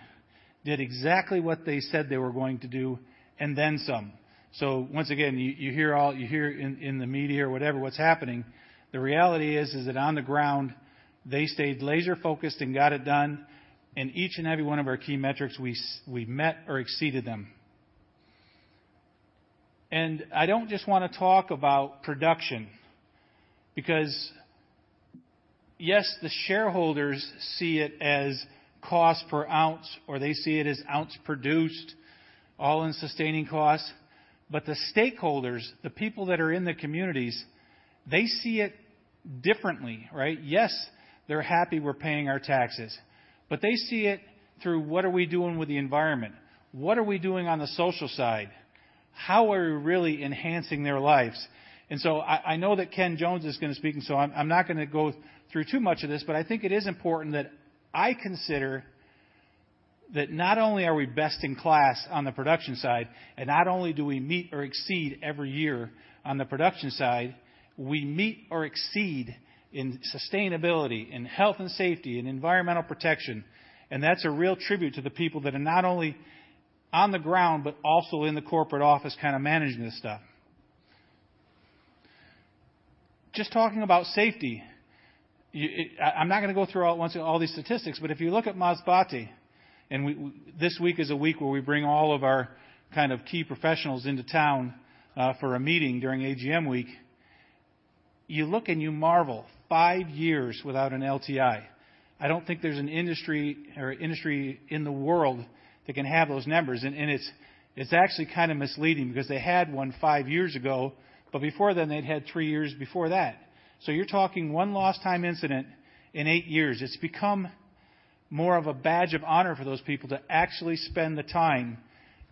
did exactly what they said they were going to do and then some. So once again, you hear in the media or whatever what's happening. The reality is that on the ground, they stayed laser-focused and got it done. And each and every one of our key metrics, we met or exceeded them. And I don't just wanna talk about production because yes, the shareholders see it as cost per ounce or they see it as ounce produced, all-in sustaining costs. But the stakeholders, the people that are in the communities, they see it differently, right? Yes, they're happy we're paying our taxes, but they see it through what are we doing with the environment? What are we doing on the social side? How are we really enhancing their lives? And so I know that Ken Jones is gonna speak, and so I'm not gonna go through too much of this, but I think it is important that I consider that not only are we best in class on the production side and not only do we meet or exceed every year on the production side, we meet or exceed in sustainability, in health and safety, in environmental protection. And that's a real tribute to the people that are not only on the ground but also in the corporate office kinda managing this stuff. Just talking about safety, you, I'm not gonna go through all, once again, all these statistics, but if you look at Masbate, and we, this week is a week where we bring all of our kind of key professionals into town, for a meeting during AGM week, you look and you marvel, five years without an LTI. I don't think there's an industry in the world that can have those numbers. And it's actually kinda misleading because they had one five years ago, but before then, they'd had three years before that. So you're talking one lost time incident in eight years. It's become more of a badge of honor for those people to actually spend the time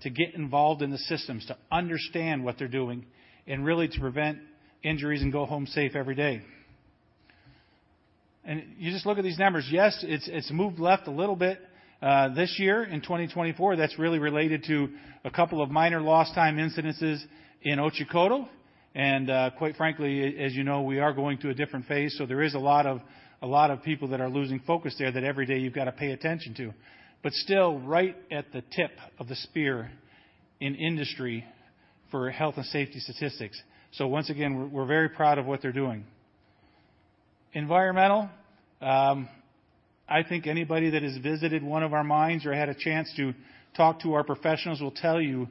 to get involved in the systems, to understand what they're doing, and really to prevent injuries and go home safe every day. And you just look at these numbers. Yes, it's, it's moved left a little bit. This year in 2024, that's really related to a couple of minor lost-time incidents in Otjikoto. And, quite frankly, as you know, we are going to a different phase. So there is a lot of, a lot of people that are losing focus there that every day you've gotta pay attention to. But still, right at the tip of the spear in industry for health and safety statistics. So once again, we're, we're very proud of what they're doing. Environmental, I think anybody that has visited one of our mines or had a chance to talk to our professionals will tell you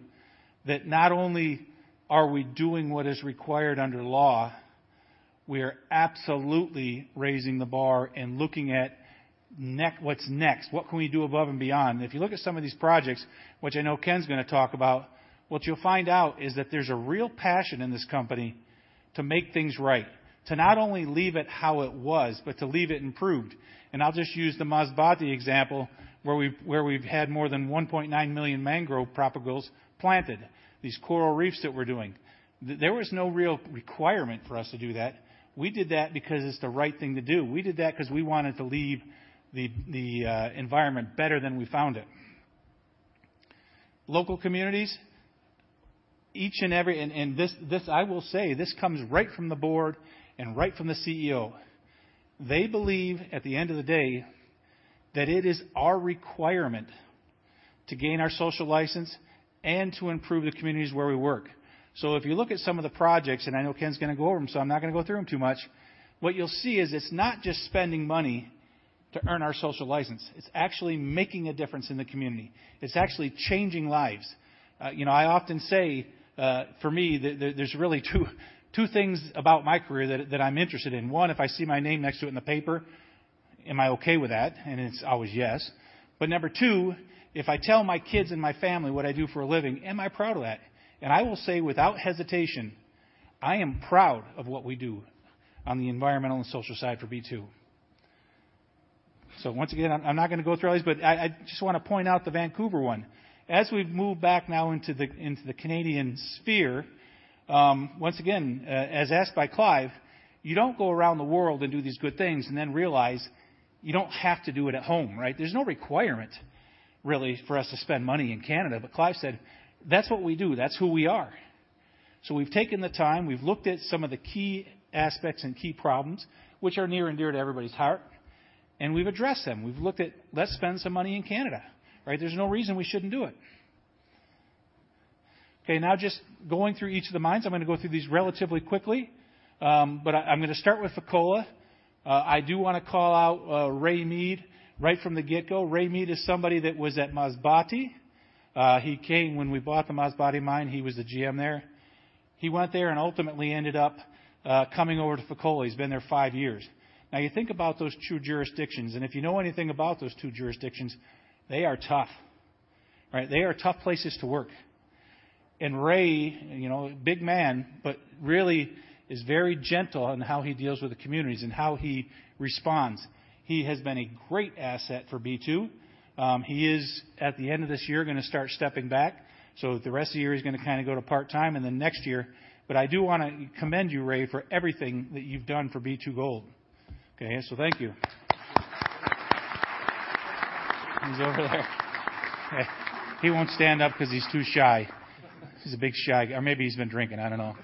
that not only are we doing what is required under law, we are absolutely raising the bar and looking at what's next. What can we do above and beyond? If you look at some of these projects, which I know Ken's gonna talk about, what you'll find out is that there's a real passion in this company to make things right, to not only leave it how it was, but to leave it improved. And I'll just use the Masbate example where we've had more than 1.9 million mangrove propagules planted, these coral reefs that we're doing. There was no real requirement for us to do that. We did that because it's the right thing to do. We did that 'cause we wanted to leave the environment better than we found it. Local communities, each and every, and this comes right from the board and right from the CEO. They believe at the end of the day that it is our requirement to gain our social license and to improve the communities where we work. So if you look at some of the projects, and I know Ken's gonna go over them, so I'm not gonna go through them too much, what you'll see is it's not just spending money to earn our social license. It's actually making a difference in the community. It's actually changing lives. You know, I often say, for me, that there's really two things about my career that I'm interested in. One, if I see my name next to it in the paper, am I okay with that? And it's always yes. But number two, if I tell my kids and my family what I do for a living, am I proud of that? I will say without hesitation, I am proud of what we do on the environmental and social side for B2. So once again, I'm not gonna go through all these, but I just wanna point out the Vancouver one. As we've moved back now into the, into the Canadian sphere, once again, as asked by Clive, you don't go around the world and do these good things and then realize you don't have to do it at home, right? There's no requirement really for us to spend money in Canada. But Clive said, "That's what we do. That's who we are." So we've taken the time, we've looked at some of the key aspects and key problems which are near and dear to everybody's heart, and we've addressed them. We've looked at, "Let's spend some money in Canada," right? There's no reason we shouldn't do it. Okay. Now, just going through each of the mines, I'm gonna go through these relatively quickly. But I, I'm gonna start with Fekola. I do wanna call out, Ray Mead right from the get-go. Ray Mead is somebody that was at Masbate. He came when we bought the Masbate mine. He was the GM there. He went there and ultimately ended up, coming over to Fekola. He's been there five years. Now, you think about those two jurisdictions, and if you know anything about those two jurisdictions, they are tough, right? They are tough places to work. And Ray, you know, big man, but really is very gentle in how he deals with the communities and how he responds. He has been a great asset for B2. He is at the end of this year gonna start stepping back. The rest of the year, he's gonna kinda go to part-time and then next year. But I do wanna commend you, Ray, for everything that you've done for B2Gold. Okay. So thank you. He's over there. He won't stand up 'cause he's too shy. He's a big shy guy. Or maybe he's been drinking. I don't know.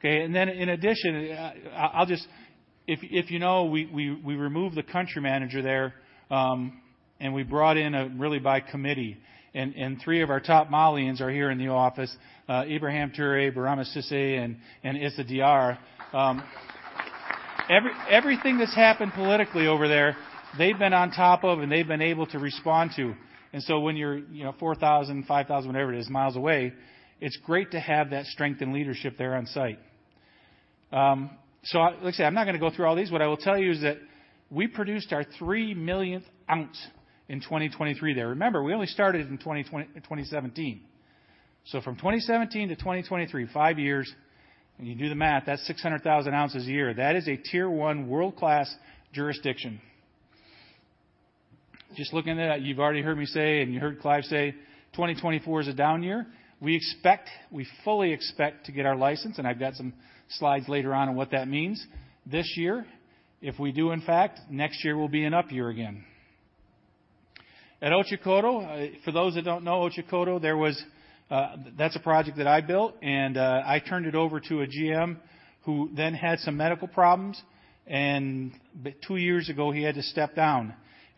Okay. And then in addition, I'll just, if you know, we removed the country manager there, and we brought in a really by committee. And three of our top Malians are here in the office, Ibrahim Touré, Birama Cissé, and Issa Diarra. Everything that's happened politically over there, they've been on top of and they've been able to respond to. And so when you're, you know, 4,000, 5,000, whatever it is, miles away, it's great to have that strength and leadership there on site. So I'll, like I say, I'm not gonna go through all these. What I will tell you is that we produced our 3 millionth ounce in 2023 there. Remember, we only started in 2017. So from 2017 to 2023, five years, and you do the math, that's 600,000 ounces a year. That is a tier one, world-class jurisdiction. Just looking at that, you've already heard me say, and you heard Clive say, "2024 is a down year." We expect, we fully expect to get our license, and I've got some slides later on on what that means. This year, if we do, in fact, next year will be an up year again. At Otjikoto, for those that don't know, Otjikoto, there was, that's a project that I built, and, I turned it over to a GM who then had some medical problems. Two years ago, he had to step down.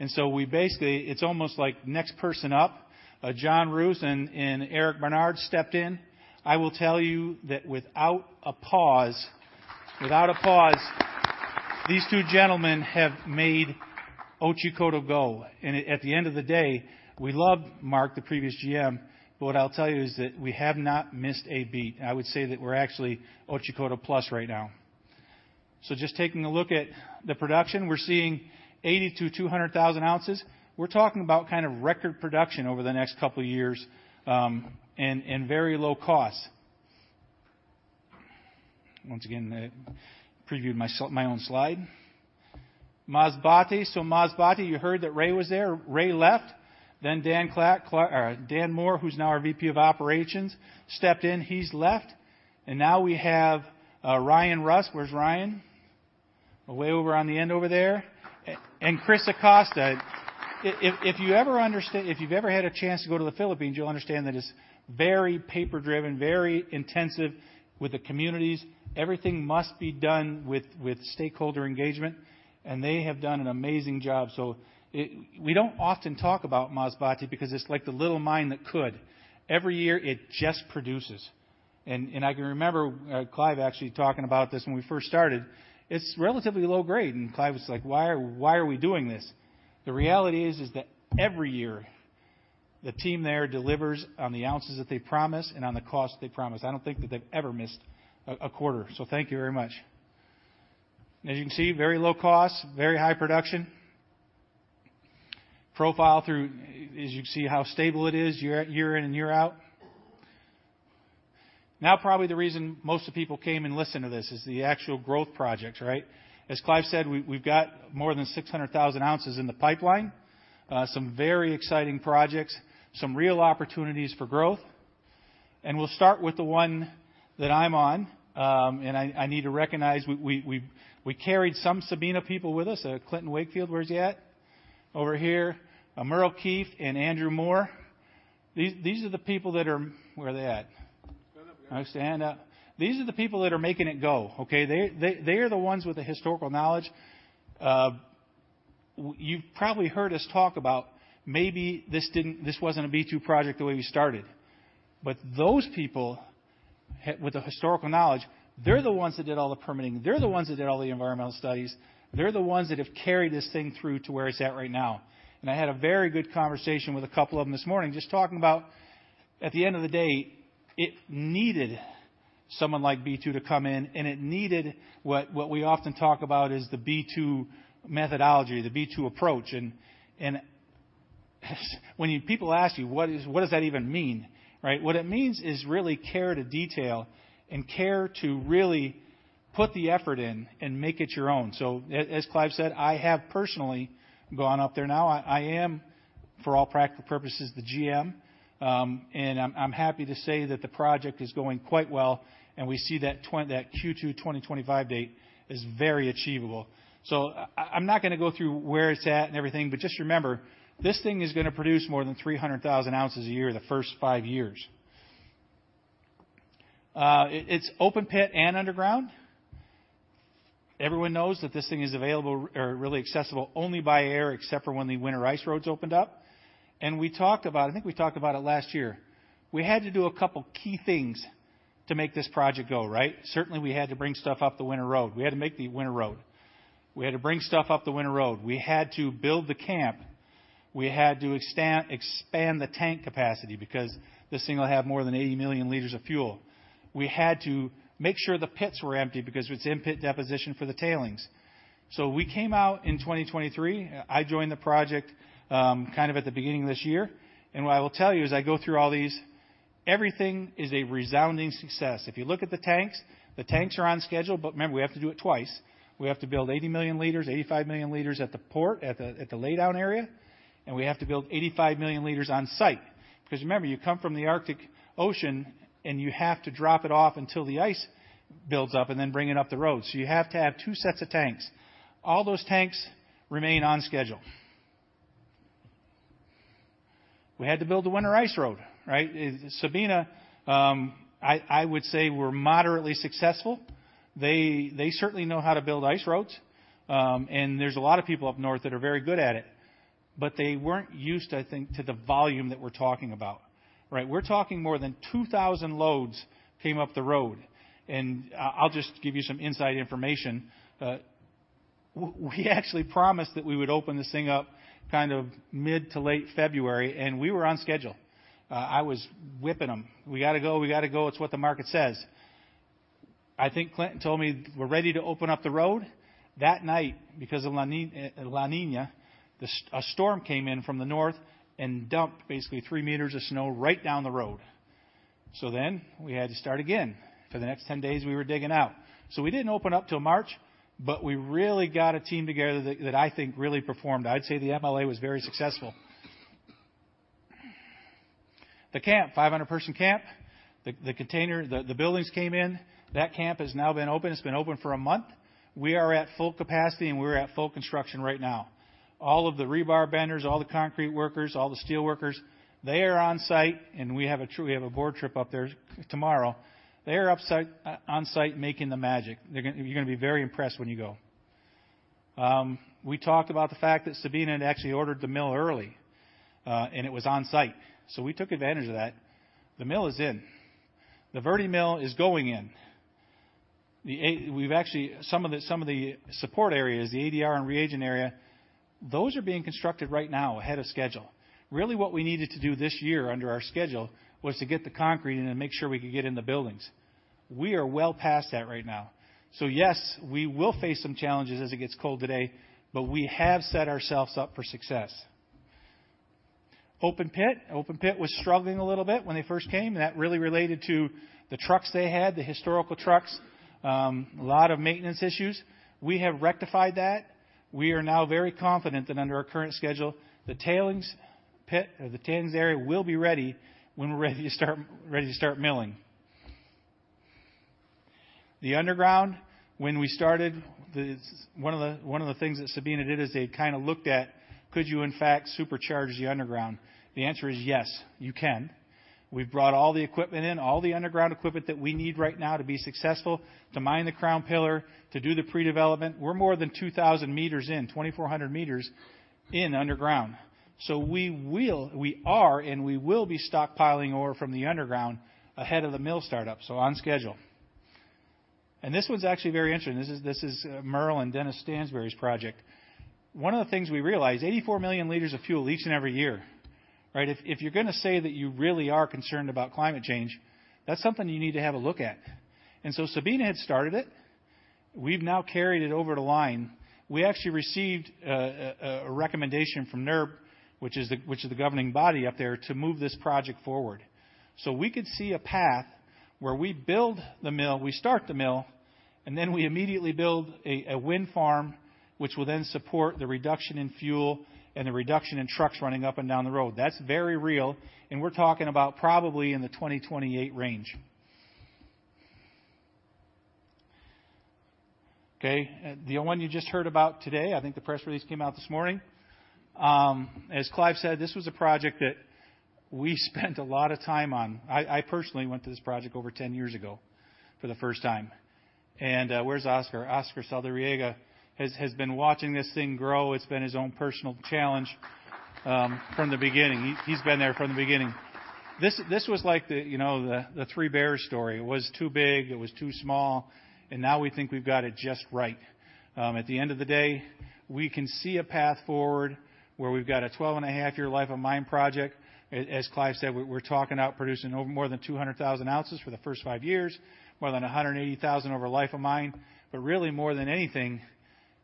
So we basically, it's almost like next person up, John Roos and Eric Barnard stepped in. I will tell you that without a pause, these two gentlemen have made Otjikoto go. At the end of the day, we loved Mark, the previous GM, but what I'll tell you is that we have not missed a beat. I would say that we're actually Otjikoto plus right now. Just taking a look at the production, we're seeing 80,000-200,000 ounces. We're talking about kind of record production over the next couple of years, and very low costs. Once again, I previewed myself, my own slide. Masbate. So Masbate, you heard that Ray was there. Ray left. Then Dan Moore, who's now our VP of operations, stepped in. He's left. And now we have Ryan Ross. Where's Ryan? Way over on the end over there. And Cris Acosta. If you've ever had a chance to go to the Philippines, you'll understand that it's very paper-driven, very intensive with the communities. Everything must be done with stakeholder engagement. And they have done an amazing job. So we don't often talk about Masbate because it's like the little mine that could. Every year, it just produces. And I can remember Clive actually talking about this when we first started. It's relatively low grade. And Clive was like, "Why are we doing this?" The reality is that every year, the team there delivers on the ounces that they promise and on the cost they promise. I don't think that they've ever missed a quarter. So thank you very much. As you can see, very low cost, very high production. Profile through, as you can see how stable it is year in and year out. Now, probably the reason most of the people came and listened to this is the actual growth projects, right? As Clive said, we've got more than 600,000 ounces in the pipeline, some very exciting projects, some real opportunities for growth. We'll start with the one that I'm on, and I need to recognize we carried some Sabina people with us. Clinton Wakefield, where's he at? Over here. Merle Keith and Andrew Moore. These are the people that are where they're at. I stand up. These are the people that are making it go, okay? They are the ones with the historical knowledge. You've probably heard us talk about maybe this didn't, this wasn't a B2 project the way we started. But those people with the historical knowledge, they're the ones that did all the permitting. They're the ones that did all the environmental studies. They're the ones that have carried this thing through to where it's at right now. And I had a very good conversation with a couple of them this morning just talking about, at the end of the day, it needed someone like B2 to come in, and it needed what, what we often talk about is the B2 methodology, the B2 approach. And when you people ask you, "What is, what does that even mean?" Right? What it means is really care to detail and care to really put the effort in and make it your own. As Clive said, I have personally gone up there now. I am, for all practical purposes, the GM, and I'm happy to say that the project is going quite well, and we see that Q2 2025 date is very achievable, so I'm not gonna go through where it's at and everything, but just remember, this thing is gonna produce more than 300,000 ounces a year the first five years. It's open pit and underground. Everyone knows that this thing is available or really accessible only by air except for when the winter ice roads opened up, and we talked about it last year, I think. We had to do a couple key things to make this project go, right? Certainly, we had to bring stuff up the winter road. We had to make the winter road. We had to bring stuff up the winter road. We had to build the camp. We had to expand the tank capacity because this thing will have more than 80 million liters of fuel. We had to make sure the pits were empty because it's in pit deposition for the tailings. We came out in 2023. I joined the project, kind of at the beginning of this year. What I will tell you is I go through all these. Everything is a resounding success. If you look at the tanks, the tanks are on schedule. Remember, we have to do it twice. We have to build 80 million liters, 85 million liters at the port, at the laydown area. And we have to build 85 million liters on site because remember, you come from the Arctic Ocean and you have to drop it off until the ice builds up and then bring it up the road. So you have to have two sets of tanks. All those tanks remain on schedule. We had to build the winter ice road, right? Sabina, I would say we're moderately successful. They certainly know how to build ice roads, and there's a lot of people up north that are very good at it. But they weren't used, I think, to the volume that we're talking about, right? We're talking more than 2,000 loads came up the road. And I'll just give you some inside information. We actually promised that we would open this thing up kind of mid to late February, and we were on schedule. I was whipping them. We gotta go. We gotta go. It's what the market says. I think Clinton told me we're ready to open up the road. That night, because of La Niña, La Niña, a storm came in from the north and dumped basically three meters of snow right down the road. So then we had to start again. For the next 10 days, we were digging out. So we didn't open up till March, but we really got a team together that I think really performed. I'd say the MLA was very successful. The camp, 500-person camp, the container, the buildings came in. That camp has now been open. It's been open for a month. We are at full capacity, and we're at full construction right now. All of the rebar benders, all the concrete workers, all the steel workers, they are on site, and we have a board trip up there tomorrow. They are on site making the magic. They're gonna, you're gonna be very impressed when you go. We talked about the fact that Sabina had actually ordered the mill early, and it was on site. So we took advantage of that. The mill is in. The Vertimill is going in. We've actually some of the support areas, the ADR and reagent area, those are being constructed right now ahead of schedule. Really, what we needed to do this year under our schedule was to get the concrete in and make sure we could get in the buildings. We are well past that right now. So yes, we will face some challenges as it gets cold today, but we have set ourselves up for success. Open pit, open pit was struggling a little bit when they first came, and that really related to the trucks they had, the historical trucks. A lot of maintenance issues. We have rectified that. We are now very confident that under our current schedule, the tailings pit or the tailings area will be ready when we're ready to start, ready to start milling. The underground, when we started, one of the things that Sabina did is they kinda looked at, "Could you, in fact, supercharge the underground?" The answer is yes, you can. We've brought all the equipment in, all the underground equipment that we need right now to be successful, to mine the crown pillar, to do the pre-development. We're more than 2,000 meters in, 2,400 meters in underground. So we are, and we will be stockpiling ore from the underground ahead of the mill startup. So on schedule. And this one's actually very interesting. This is Merle and Dennis Stansbury's project. One of the things we realized, 84 million liters of fuel leaks in every year, right? If you're gonna say that you really are concerned about climate change, that's something you need to have a look at. And so Sabina had started it. We've now carried it over to line. We actually received a recommendation from NIRB, which is the governing body up there, to move this project forward. So we could see a path where we build the mill, we start the mill, and then we immediately build a wind farm, which will then support the reduction in fuel and the reduction in trucks running up and down the road. That's very real. And we're talking about probably in the 2028 range. Okay. The one you just heard about today, I think the press release came out this morning. As Clive said, this was a project that we spent a lot of time on. I personally went to this project over 10 years ago for the first time. And, where's Oscar? Oscar Saldarriaga has been watching this thing grow. It's been his own personal challenge, from the beginning. He's been there from the beginning. This was like the, you know, the three bears story. It was too big. It was too small. Now we think we've got it just right. At the end of the day, we can see a path forward where we've got a 12 and a half year life of mine project. As Clive said, we're talking about producing more than 200,000 ounces for the first five years, more than 180,000 over life of mine. But really, more than anything,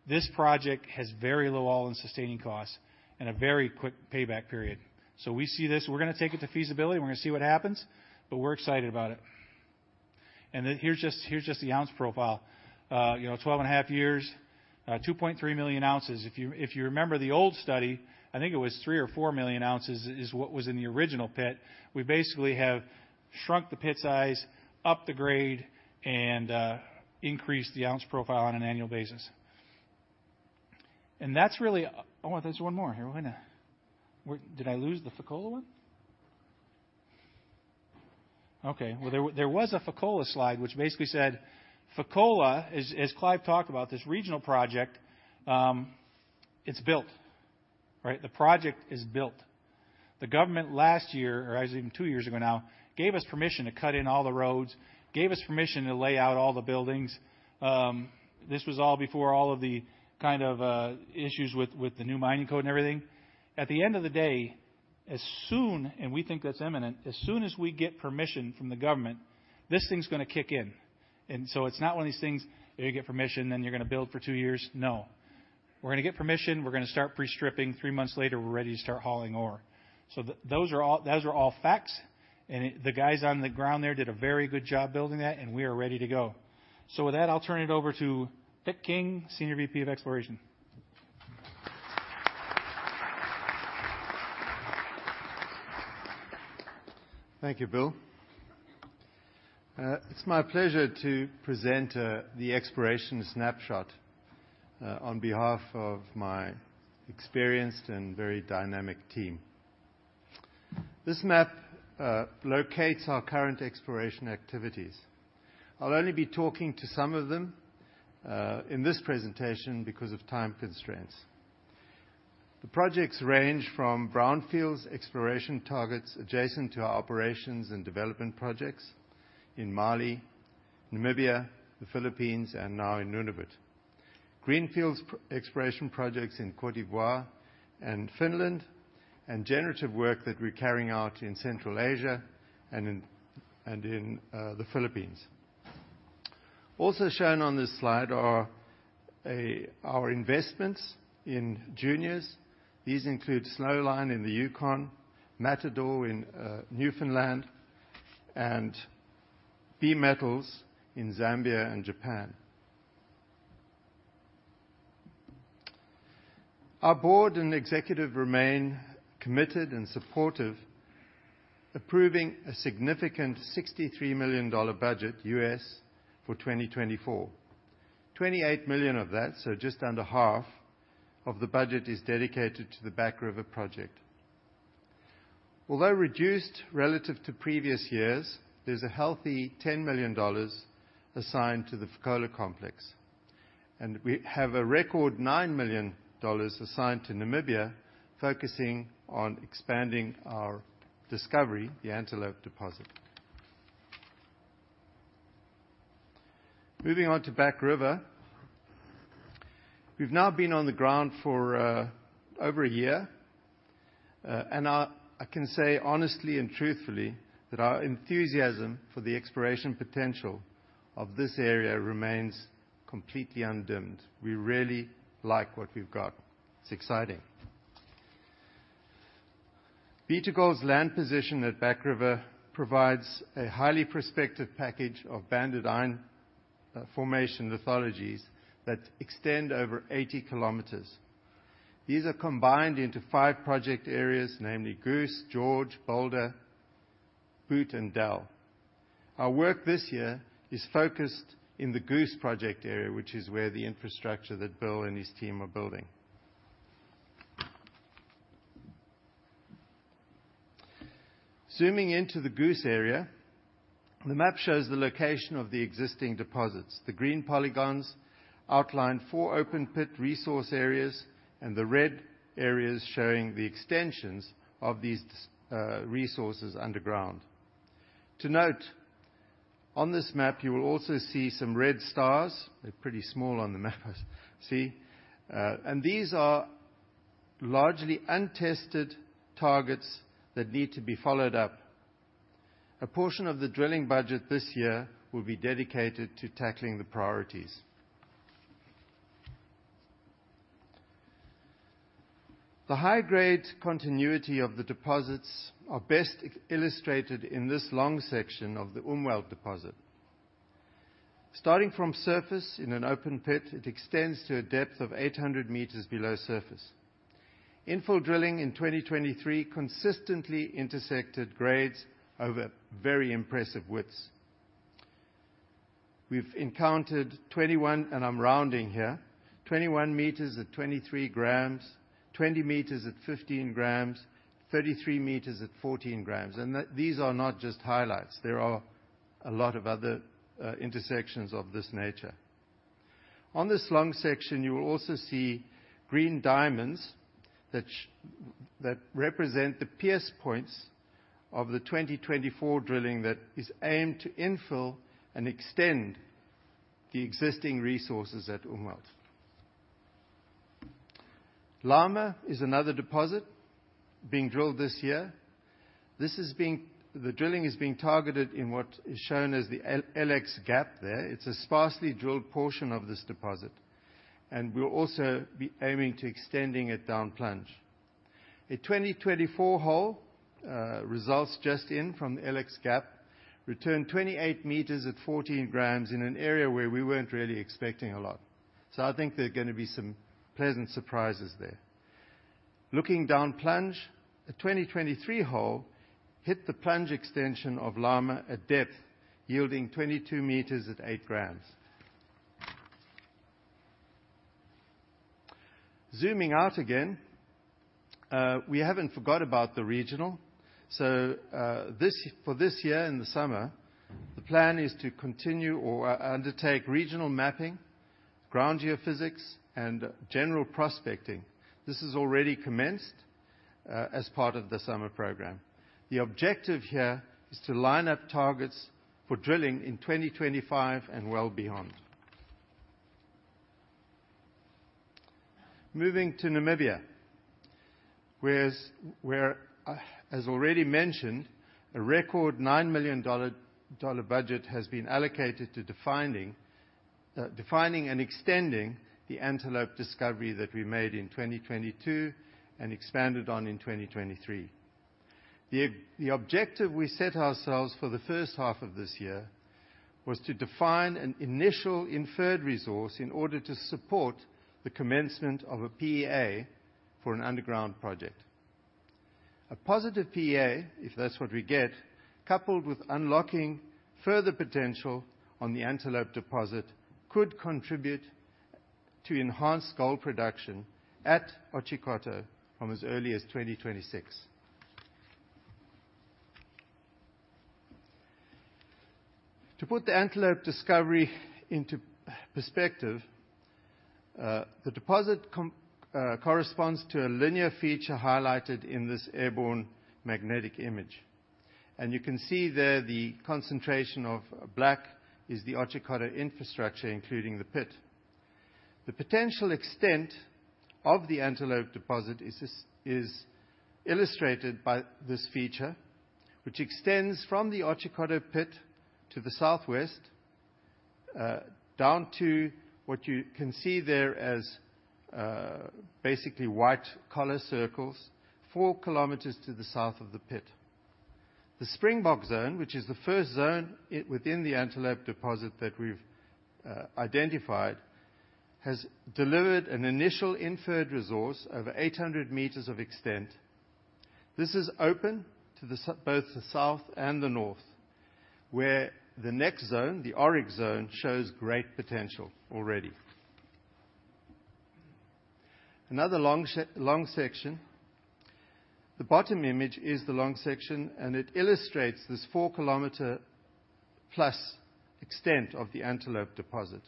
this project has very low All-in Sustaining Costs and a very quick payback period. So we see this. We're gonna take it to feasibility. We're gonna see what happens. But we're excited about it. And here's just the ounce profile. You know, 12 and a half years, 2.3 million ounces. If you remember the old study, I think it was 3 or 4 million ounces is what was in the original pit. We basically have shrunk the pit size, up the grade, and increased the ounce profile on an annual basis, and that's really. Oh, there's one more here. Wait a minute. Where did I lose the Fekola one? Okay, well, there was a Fekola slide, which basically said Fekola, as Clive talked about, this regional project, it's built, right? The project is built. The government last year, or actually even two years ago now, gave us permission to cut in all the roads, gave us permission to lay out all the buildings. This was all before all of the kind of issues with the new mining code and everything. At the end of the day, as soon as we think that's imminent, as soon as we get permission from the government, this thing's gonna kick in. It's not one of these things, "You get permission, then you're gonna build for two years." No. We're gonna get permission. We're gonna start pre-stripping. Three months later, we're ready to start hauling ore. So those are all, those are all facts. The guys on the ground there did a very good job building that, and we are ready to go. With that, I'll turn it over to Victor King, Senior VP of Exploration. Thank you, Will. It's my pleasure to present the exploration snapshot on behalf of my experienced and very dynamic team. This map locates our current exploration activities. I'll only be talking to some of them in this presentation because of time constraints. The projects range from brownfields exploration targets adjacent to our operations and development projects in Mali, Namibia, the Philippines, and now in Nunavut. Greenfields exploration projects in Côte d'Ivoire and Finland, and generative work that we're carrying out in Central Asia and in the Philippines. Also shown on this slide are our investments in juniors. These include Snowline in the Yukon, Matador in Newfoundland, and BeMetals in Zambia and Japan. Our board and executive remain committed and supportive, approving a significant $63 million US budget for 2024. 28 million of that, so just under half of the budget, is dedicated to the Back River project. Although reduced relative to previous years, there's a healthy $10 million assigned to the Fekola complex. We have a record $9 million assigned to Namibia, focusing on expanding our discovery, the Antelope Deposit. Moving on to Back River. We've now been on the ground for over a year. And I, I can say honestly and truthfully that our enthusiasm for the exploration potential of this area remains completely undimmed. We really like what we've got. It's exciting. B2Gold's land position at Back River provides a highly prospective package of banded iron formation lithologies that extend over 80 km. These are combined into five project areas, namely Goose, George, Boulder, Boot, and Del. Our work this year is focused in the Goose Project area, which is where the infrastructure that Bill and his team are building. Zooming into the Goose area, the map shows the location of the existing deposits. The green polygons outline four open pit resource areas, and the red areas showing the extensions of these resources underground. To note, on this map, you will also see some red stars. They're pretty small on the map, I see. and these are largely untested targets that need to be followed up. A portion of the drilling budget this year will be dedicated to tackling the priorities. The high-grade continuity of the deposits are best illustrated in this long section of the Umwelt Deposit. Starting from surface in an open pit, it extends to a depth of 800 meters below surface. Infill drilling in 2023 consistently intersected grades over very impressive widths. We've encountered 21, and I'm rounding here, 21 meters at 23 grams, 20 meters at 15 grams, 33 meters at 14 grams. And these are not just highlights. There are a lot of other intersections of this nature. On this long section, you will also see green diamonds that represent the pierce points of the 2024 drilling that is aimed to infill and extend the existing resources at Umwelt. Llama is another deposit being drilled this year. The drilling is being targeted in what is shown as the Llama Extension gap there. It's a sparsely drilled portion of this deposit. We'll also be aiming to extend it down plunge. A 2024 hole results just in from the Llama Extension gap returned 28 meters at 14 grams in an area where we weren't really expecting a lot. So I think there are gonna be some pleasant surprises there. Looking down plunge, a 2023 hole hit the plunge extension of Llama at depth, yielding 22 meters at 8 grams. Zooming out again, we haven't forgot about the regional. For this year in the summer, the plan is to continue or undertake regional mapping, ground geophysics, and general prospecting. This has already commenced, as part of the summer program. The objective here is to line up targets for drilling in 2025 and well beyond. Moving to Namibia, as already mentioned, a record $9 million budget has been allocated to defining and extending the Antelope discovery that we made in 2022 and expanded on in 2023. The objective we set ourselves for the first half of this year was to define an initial inferred resource in order to support the commencement of a PEA for an underground project. A positive PEA, if that's what we get, coupled with unlocking further potential on the Antelope Deposit, could contribute to enhanced gold production at Otjikoto from as early as 2026. To put the Antelope discovery into perspective, the deposit corresponds to a linear feature highlighted in this airborne magnetic image. You can see there the concentration of black is the Otjikoto infrastructure, including the pit. The potential extent of the Antelope Deposit is illustrated by this feature, which extends from the Otjikoto pit to the southwest, down to what you can see there as basically white color circles, four kilometers to the south of the pit. The Springbok Zone, which is the first zone within the Antelope Deposit that we've identified, has delivered an initial inferred resource over 800 meters of extent. This is open to both the south and the north, where the next zone, the Oryx Zone, shows great potential already. Another long section. The bottom image is the long section, and it illustrates this four-kilometer-plus extent of the Antelope Deposit.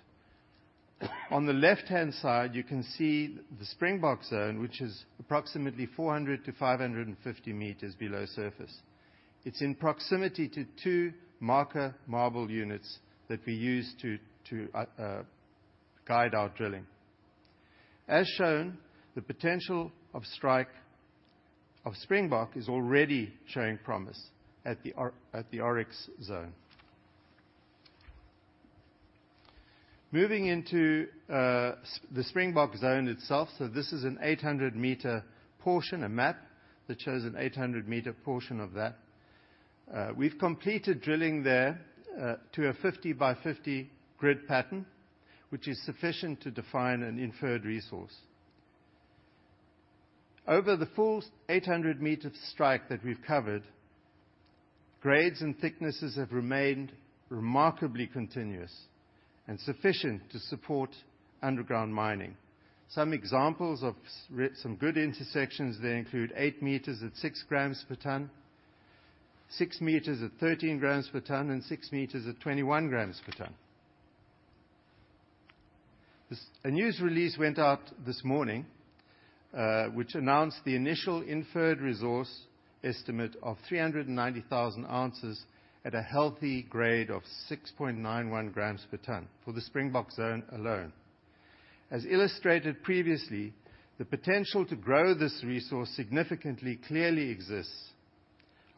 On the left-hand side, you can see the Springbok Zone, which is approximately 400-550 meters below surface. It's in proximity to two marker marble units that we use to guide our drilling. As shown, the potential of strike of Springbok is already showing promise at the Oryx Zone. Moving into the Springbok Zone itself, so this is an 800-meter portion, a map that shows an 800-meter portion of that. We've completed drilling there to a 50 by 50 grid pattern, which is sufficient to define an inferred resource. Over the full 800-meter strike that we've covered, grades and thicknesses have remained remarkably continuous and sufficient to support underground mining. Some examples of some good intersections there include eight meters at six grams per ton, six meters at 13 grams per ton, and six meters at 21 grams per ton. This, a news release went out this morning, which announced the initial inferred resource estimate of 390,000 ounces at a healthy grade of 6.91 grams per ton for the Springbok Zone alone. As illustrated previously, the potential to grow this resource significantly clearly exists.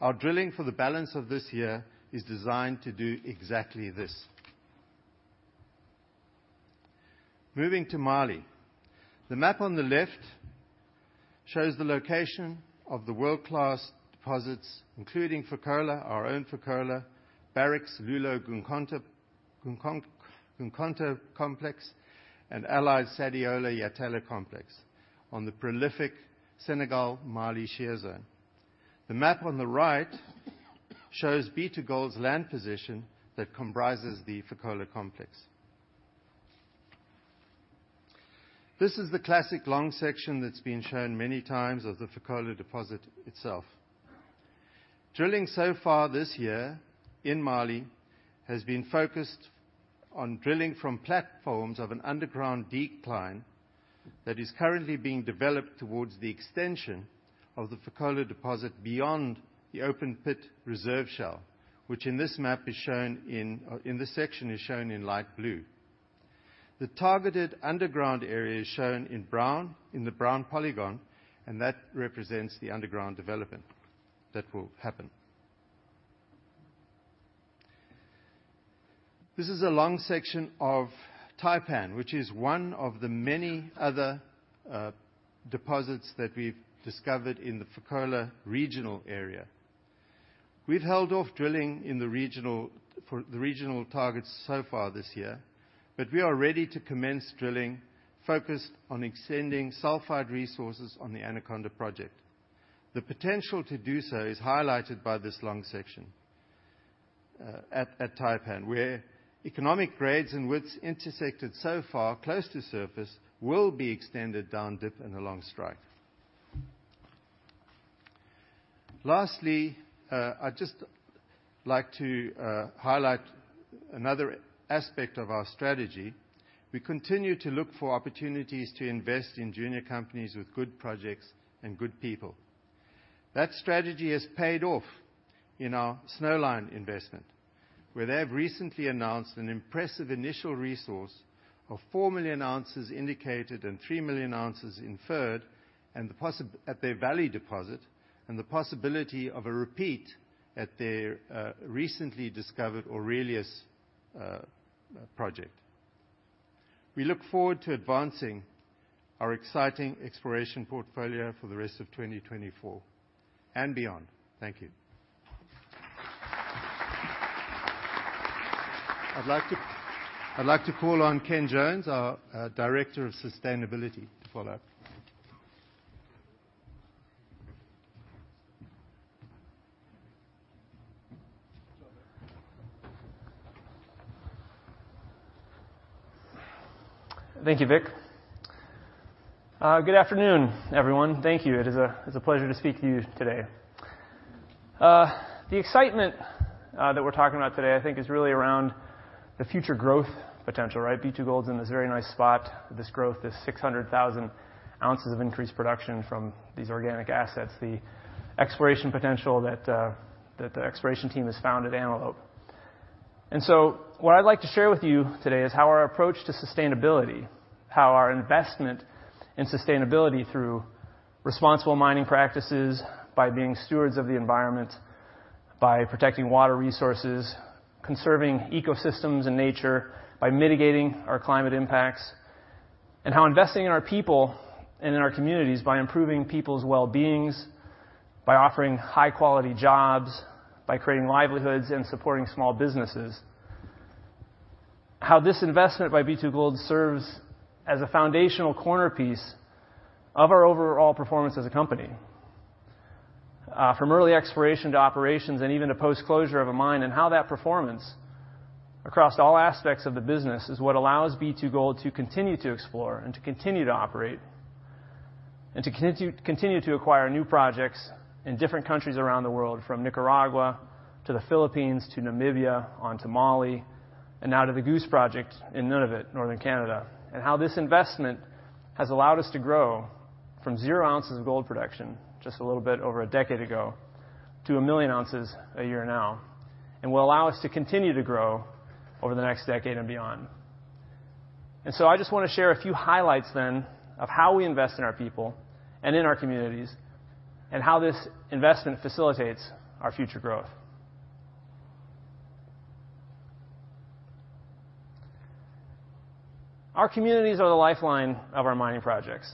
Our drilling for the balance of this year is designed to do exactly this. Moving to Mali. The map on the left shows the location of the world-class deposits, including Fekola, our own Fekola, Barrick Loulo-Gounkoto Complex, and AngloGold Sadiola-Yatela Complex on the prolific Senegal-Mali shear zone. The map on the right shows B2Gold's land position that comprises the Fekola Complex. This is the classic long section that's been shown many times of the Fekola deposit itself. Drilling so far this year in Mali has been focused on drilling from platforms of an underground decline that is currently being developed towards the extension of the Fekola deposit beyond the open pit reserve shell, which in this map is shown in this section in light blue. The targeted underground area is shown in brown in the brown polygon, and that represents the underground development that will happen. This is a long section of Taipan, which is one of the many other deposits that we've discovered in the Fekola regional area. We've held off drilling in the regional for the regional targets so far this year, but we are ready to commence drilling focused on extending sulfide resources on the Anaconda project. The potential to do so is highlighted by this long section at Taipan, where economic grades and widths intersected so far close to surface will be extended down dip and along strike. Lastly, I'd just like to highlight another aspect of our strategy. We continue to look for opportunities to invest in junior companies with good projects and good people. That strategy has paid off in our Snowline investment, where they have recently announced an impressive initial resource of 4 million ounces indicated and 3 million ounces inferred, and the possibility at their Valley deposit and the possibility of a repeat at their recently discovered Aurelius project. We look forward to advancing our exciting exploration portfolio for the rest of 2024 and beyond. Thank you. I'd like to call on Ken Jones, our director of sustainability, to follow up. Thank you, Vic. Good afternoon, everyone. Thank you. It's a pleasure to speak to you today. The excitement that we're talking about today, I think, is really around the future growth potential, right? B2Gold's in this very nice spot. This growth is 600,000 ounces of increased production from these organic assets, the exploration potential that the exploration team has found at Antelope. What I'd like to share with you today is how our approach to sustainability, how our investment in sustainability through responsible mining practices, by being stewards of the environment, by protecting water resources, conserving ecosystems and nature, by mitigating our climate impacts, and how investing in our people and in our communities by improving people's well-beings, by offering high-quality jobs, by creating livelihoods, and supporting small businesses, How this investment by B2Gold serves as a foundational corner piece of our overall performance as a company, from early exploration to operations and even to post-closure of a mine. And how that performance across all aspects of the business is what allows B2Gold to continue to explore and to continue to operate and to continue to acquire new projects in different countries around the world, from Nicaragua to the Philippines to Namibia on to Mali and now to the Goose Project in Nunavut, Northern Canada. And how this investment has allowed us to grow from zero ounces of gold production just a little bit over a decade ago to a million ounces a year now and will allow us to continue to grow over the next decade and beyond. And so I just wanna share a few highlights then of how we invest in our people and in our communities and how this investment facilitates our future growth. Our communities are the lifeline of our mining projects.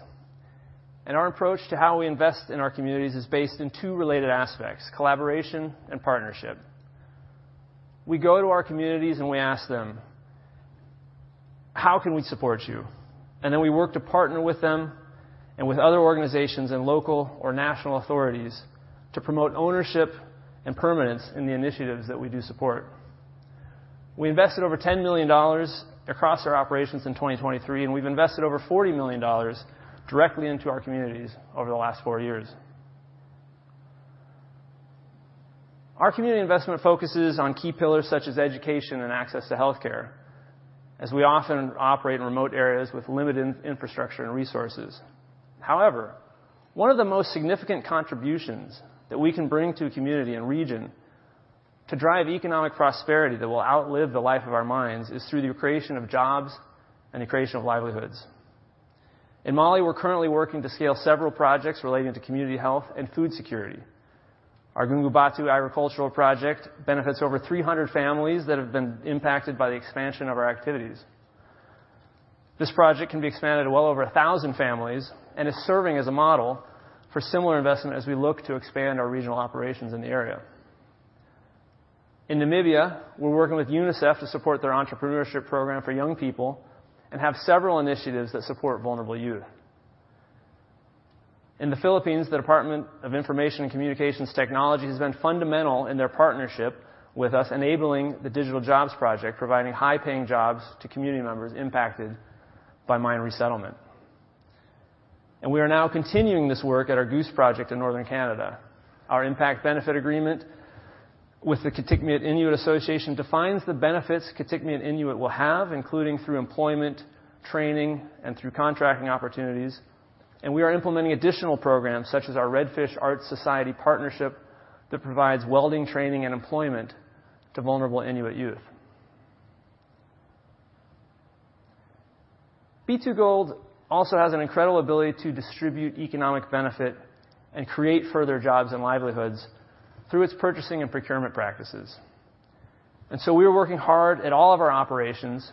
And our approach to how we invest in our communities is based in two related aspects: collaboration and partnership. We go to our communities, and we ask them, "How can we support you?" And then we work to partner with them and with other organizations and local or national authorities to promote ownership and permanence in the initiatives that we do support. We invested over $10 million across our operations in 2023, and we've invested over $40 million directly into our communities over the last four years. Our community investment focuses on key pillars such as education and access to healthcare, as we often operate in remote areas with limited infrastructure and resources. However, one of the most significant contributions that we can bring to a community and region to drive economic prosperity that will outlive the life of our mines is through the creation of jobs and the creation of livelihoods. In Mali, we're currently working to scale several projects relating to community health and food security. Our Gungubatu Agricultural Project benefits over 300 families that have been impacted by the expansion of our activities. This project can be expanded to well over 1,000 families and is serving as a model for similar investment as we look to expand our regional operations in the area. In Namibia, we're working with UNICEF to support their entrepreneurship program for young people and have several initiatives that support vulnerable youth. In the Philippines, the Department of Information and Communications Technology has been fundamental in their partnership with us, enabling the Digital Jobs Project, providing high-paying jobs to community members impacted by mine resettlement, and we are now continuing this work at our Goose Project in Northern Canada. Our impact benefit agreement with the Kitikmeot Inuit Association defines the benefits Kitikmeot Inuit will have, including through employment, training, and through contracting opportunities, and we are implementing additional programs such as our Redfish Arts Society Partnership that provides welding training and employment to vulnerable Inuit youth. B2Gold also has an incredible ability to distribute economic benefit and create further jobs and livelihoods through its purchasing and procurement practices. We are working hard at all of our operations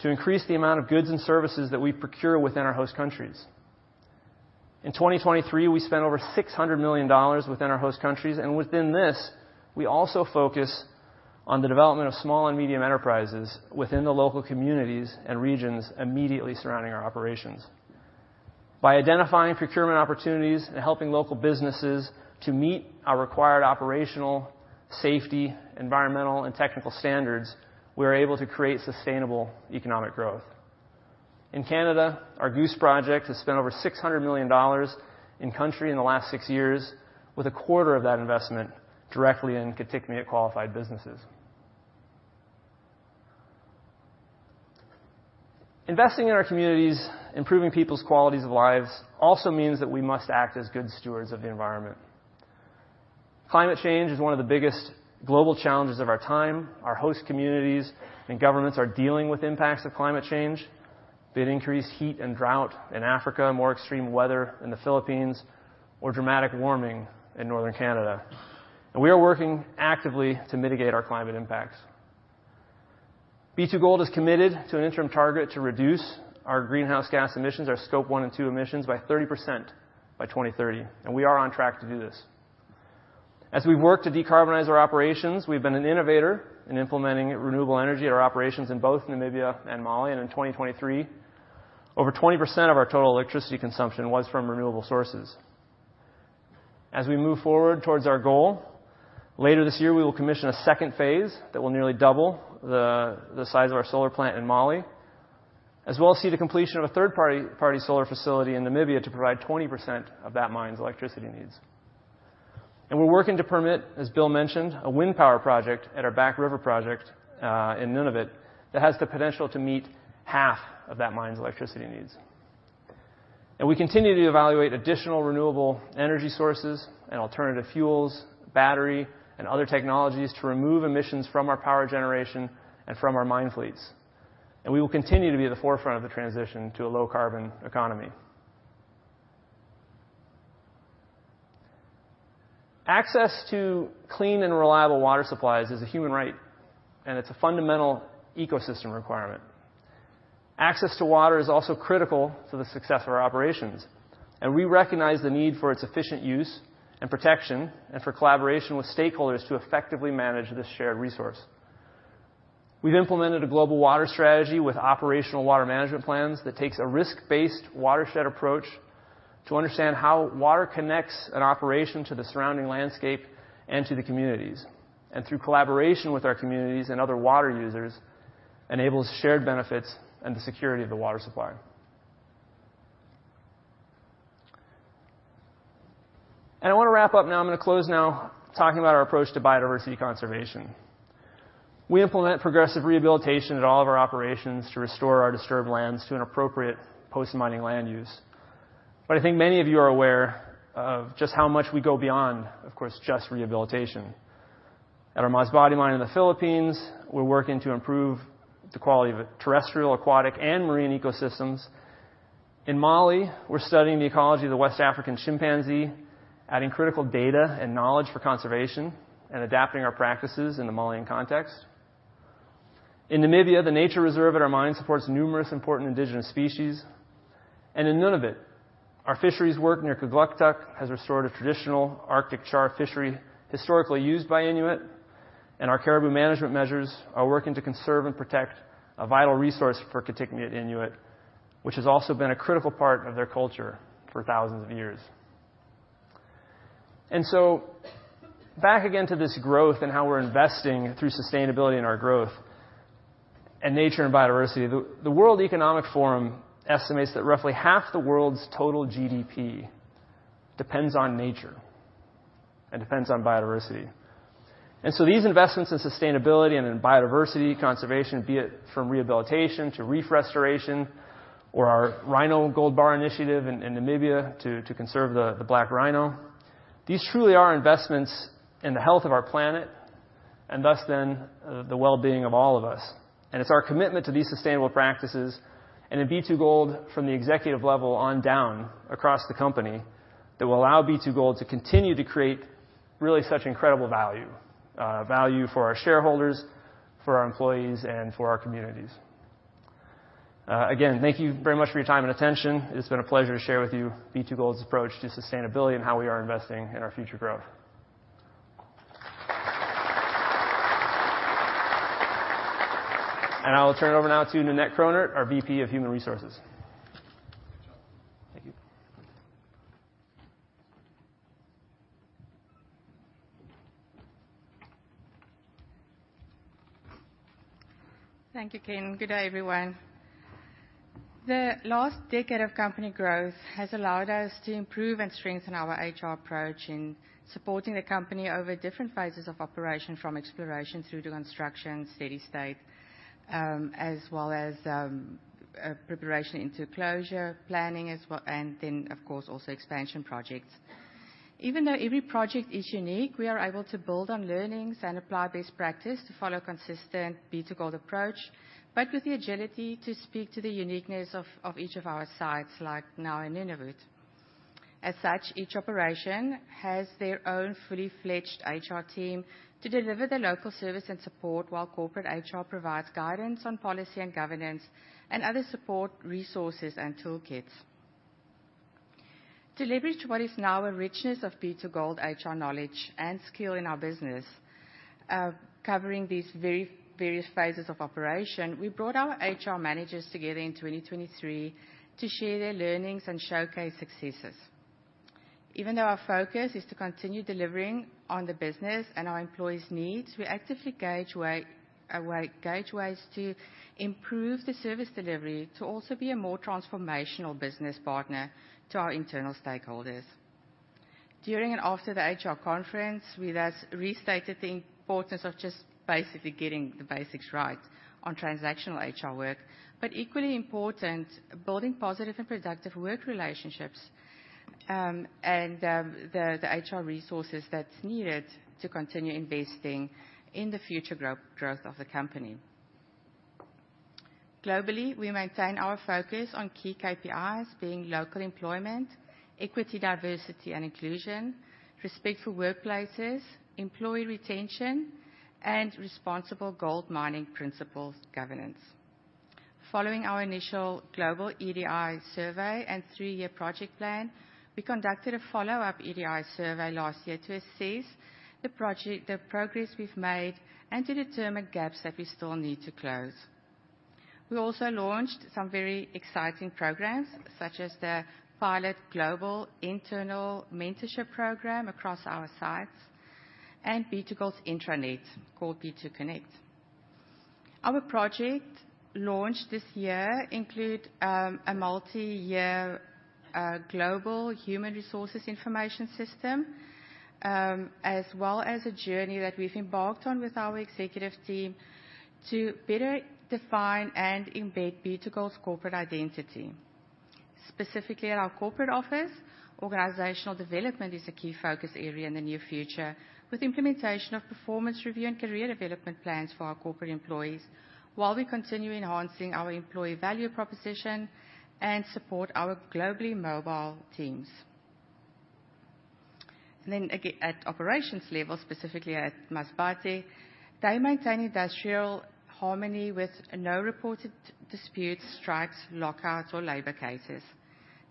to increase the amount of goods and services that we procure within our host countries. In 2023, we spent over $600 million within our host countries. Within this, we also focus on the development of small and medium enterprises within the local communities and regions immediately surrounding our operations. By identifying procurement opportunities and helping local businesses to meet our required operational, safety, environmental, and technical standards, we are able to create sustainable economic growth. In Canada, our Goose Project has spent over $600 million in country in the last six years, with a quarter of that investment directly in Kitikmeot qualified businesses. Investing in our communities, improving people's qualities of lives also means that we must act as good stewards of the environment. Climate change is one of the biggest global challenges of our time. Our host communities and governments are dealing with impacts of climate change. We had increased heat and drought in Africa, more extreme weather in the Philippines, or dramatic warming in Northern Canada. We are working actively to mitigate our climate impacts. B2Gold is committed to an interim target to reduce our greenhouse gas emissions, our Scope 1 and 2 emissions, by 30% by 2030. We are on track to do this. As we've worked to decarbonize our operations, we've been an innovator in implementing renewable energy at our operations in both Namibia and Mali. In 2023, over 20% of our total electricity consumption was from renewable sources. As we move forward towards our goal, later this year, we will commission a second phase that will nearly double the size of our solar plant in Mali, as well as see the completion of a third-party solar facility in Namibia to provide 20% of that mine's electricity needs. We're working to permit, as Bill mentioned, a wind power project at our Back River Project in Nunavut that has the potential to meet half of that mine's electricity needs. We continue to evaluate additional renewable energy sources and alternative fuels, battery, and other technologies to remove emissions from our power generation and from our mine fleets. We will continue to be at the forefront of the transition to a low-carbon economy. Access to clean and reliable water supplies is a human right, and it's a fundamental ecosystem requirement. Access to water is also critical to the success of our operations. And we recognize the need for its efficient use and protection and for collaboration with stakeholders to effectively manage this shared resource. We've implemented a global water strategy with operational water management plans that takes a risk-based watershed approach to understand how water connects an operation to the surrounding landscape and to the communities. And through collaboration with our communities and other water users, it enables shared benefits and the security of the water supply. And I wanna wrap up now. I'm gonna close now talking about our approach to biodiversity conservation. We implement progressive rehabilitation at all of our operations to restore our disturbed lands to an appropriate post-mining land use. But I think many of you are aware of just how much we go beyond, of course, just rehabilitation. At our Masbate Mine in the Philippines, we're working to improve the quality of terrestrial, aquatic, and marine ecosystems. In Mali, we're studying the ecology of the West African chimpanzee, adding critical data and knowledge for conservation and adapting our practices in the Malian context. In Namibia, the nature reserve at our mine supports numerous important indigenous species, and in Nunavut, our fisheries work near Kugluktuk has restored a traditional Arctic char fishery historically used by Inuit, and our caribou management measures are working to conserve and protect a vital resource for Kitikmeot Inuit, which has also been a critical part of their culture for thousands of years, and so back again to this growth and how we're investing through sustainability in our growth and nature and biodiversity, the World Economic Forum estimates that roughly half the world's total GDP depends on nature and depends on biodiversity. And so these investments in sustainability and in biodiversity conservation, be it from rehabilitation to reef restoration or our Rhino Gold Bar initiative in Namibia to conserve the black rhino, these truly are investments in the health of our planet and thus then the well-being of all of us. And it's our commitment to these sustainable practices. And in B2Gold, from the executive level on down across the company, that will allow B2Gold to continue to create really such incredible value, value for our shareholders, for our employees, and for our communities. Again, thank you very much for your time and attention. It's been a pleasure to share with you B2Gold's approach to sustainability and how we are investing in our future growth. And I will turn it over now to Ninette Cronje, our VP of Human Resources. Thank you. Thank you, Ken. Good day, everyone. The last decade of company growth has allowed us to improve and strengthen our HR approach in supporting the company over different phases of operation, from exploration through to construction, steady state, as well as, preparation into closure, planning as well, and then, of course, also expansion projects. Even though every project is unique, we are able to build on learnings and apply best practice to follow a consistent B2Gold approach, but with the agility to speak to the uniqueness of each of our sites, like now in Nunavut. As such, each operation has their own fully-fledged HR team to deliver the local service and support, while corporate HR provides guidance on policy and governance and other support resources and toolkits. To leverage what is now a richness of B2 Gold HR knowledge and skill in our business, covering these very various phases of operation, we brought our HR managers together in 2023 to share their learnings and showcase successes. Even though our focus is to continue delivering on the business and our employees' needs, we actively gauge ways to improve the service delivery to also be a more transformational business partner to our internal stakeholders. During and after the HR conference, we thus restated the importance of just basically getting the basics right on transactional HR work, but equally important, building positive and productive work relationships, and the HR resources that's needed to continue investing in the future growth of the company. Globally, we maintain our focus on key KPIs being local employment, equity, diversity, and inclusion, respect for workplaces, employee retention, and responsible gold mining principles governance. Following our initial global EDI survey and three-year project plan, we conducted a follow-up EDI survey last year to assess the project, the progress we've made, and to determine gaps that we still need to close. We also launched some very exciting programs, such as the pilot global internal mentorship program across our sites and B2Gold's intranet called B2Connect. Our project launched this year included a multi-year, global human resources information system, as well as a journey that we've embarked on with our executive team to better define and embed B2Gold's corporate identity. Specifically at our corporate office, organizational development is a key focus area in the near future, with implementation of performance review and career development plans for our corporate employees while we continue enhancing our employee value proposition and support our globally mobile teams. And then again, at operations level, specifically at Masbate, they maintain industrial harmony with no reported disputes, strikes, lockouts, or labor cases.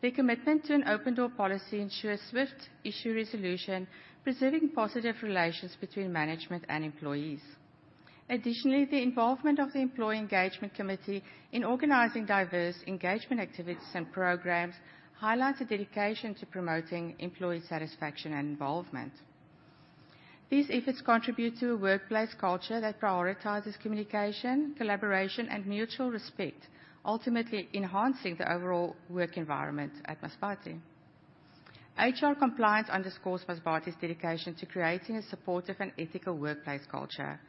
Their commitment to an open-door policy ensures swift issue resolution, preserving positive relations between management and employees. Additionally, the involvement of the Employee Engagement Committee in organizing diverse engagement activities and programs highlights a dedication to promoting employee satisfaction and involvement. These efforts contribute to a workplace culture that prioritizes communication, collaboration, and mutual respect, ultimately enhancing the overall work environment at Masbate. HR compliance underscores Masbate's dedication to creating a supportive and ethical workplace culture.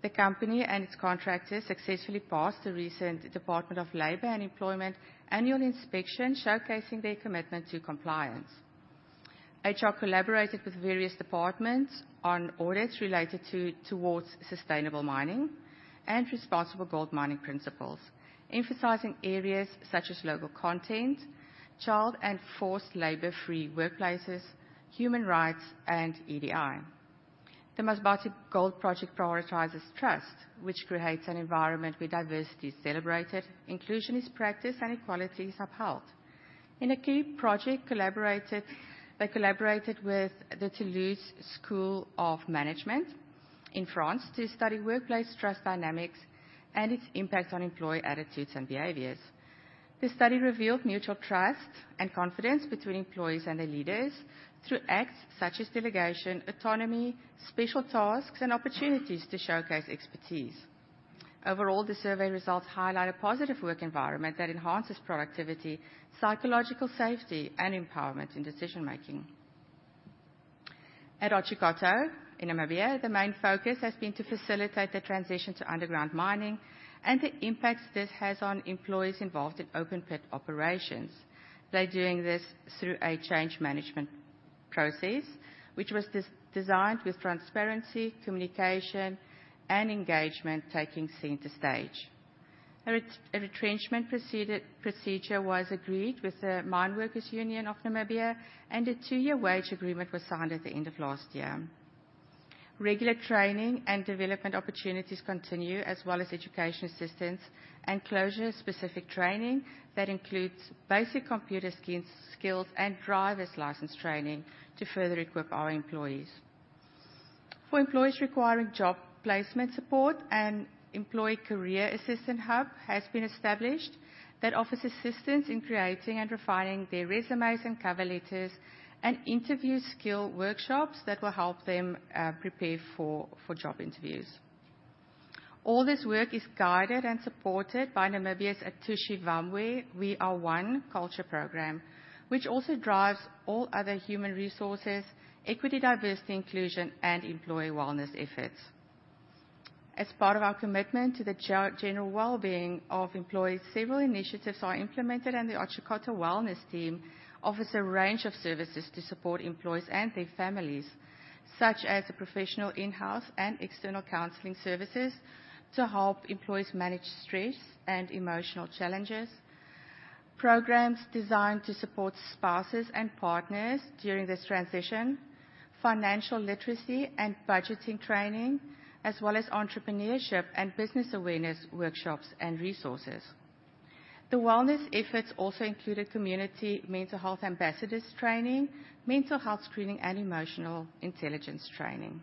The company and its contractors successfully passed the recent Department of Labor and Employment annual inspection, showcasing their commitment to compliance. HR collaborated with various departments on audits related to Towards Sustainable Mining and Responsible Gold Mining Principles, emphasizing areas such as local content, child and forced labor-free workplaces, human rights, and EDI. The Masbate Gold Project prioritizes trust, which creates an environment where diversity is celebrated, inclusion is practiced, and equality is upheld. In a key collaboration, they collaborated with the Toulouse School of Management in France to study workplace trust dynamics and its impact on employee attitudes and behaviors. The study revealed mutual trust and confidence between employees and their leaders through acts such as delegation, autonomy, special tasks, and opportunities to showcase expertise. Overall, the survey results highlight a positive work environment that enhances productivity, psychological safety, and empowerment in decision-making. At Otjikoto in Namibia, the main focus has been to facilitate the transition to underground mining and the impacts this has on employees involved in open-pit operations. They're doing this through a change management process, which was designed with transparency, communication, and engagement taking center stage. A retrenchment procedure was agreed with the Mine Workers Union of Namibia, and a two-year wage agreement was signed at the end of last year. Regular training and development opportunities continue, as well as education assistance and closure-specific training that includes basic computer skills and driver's license training to further equip our employees. For employees requiring job placement support, an employee career assistant hub has been established that offers assistance in creating and refining their resumes and cover letters and interview skill workshops that will help them prepare for job interviews. All this work is guided and supported by Namibia's Atushe Vamwe We Are One culture program, which also drives all other human resources, equity, diversity, inclusion, and employee wellness efforts. As part of our commitment to the general well-being of employees, several initiatives are implemented, and the Otjikoto Wellness team offers a range of services to support employees and their families, such as professional in-house and external counseling services to help employees manage stress and emotional challenges, programs designed to support spouses and partners during this transition, financial literacy and budgeting training, as well as entrepreneurship and business awareness workshops and resources. The wellness efforts also included community mental health ambassadors training, mental health screening, and emotional intelligence training.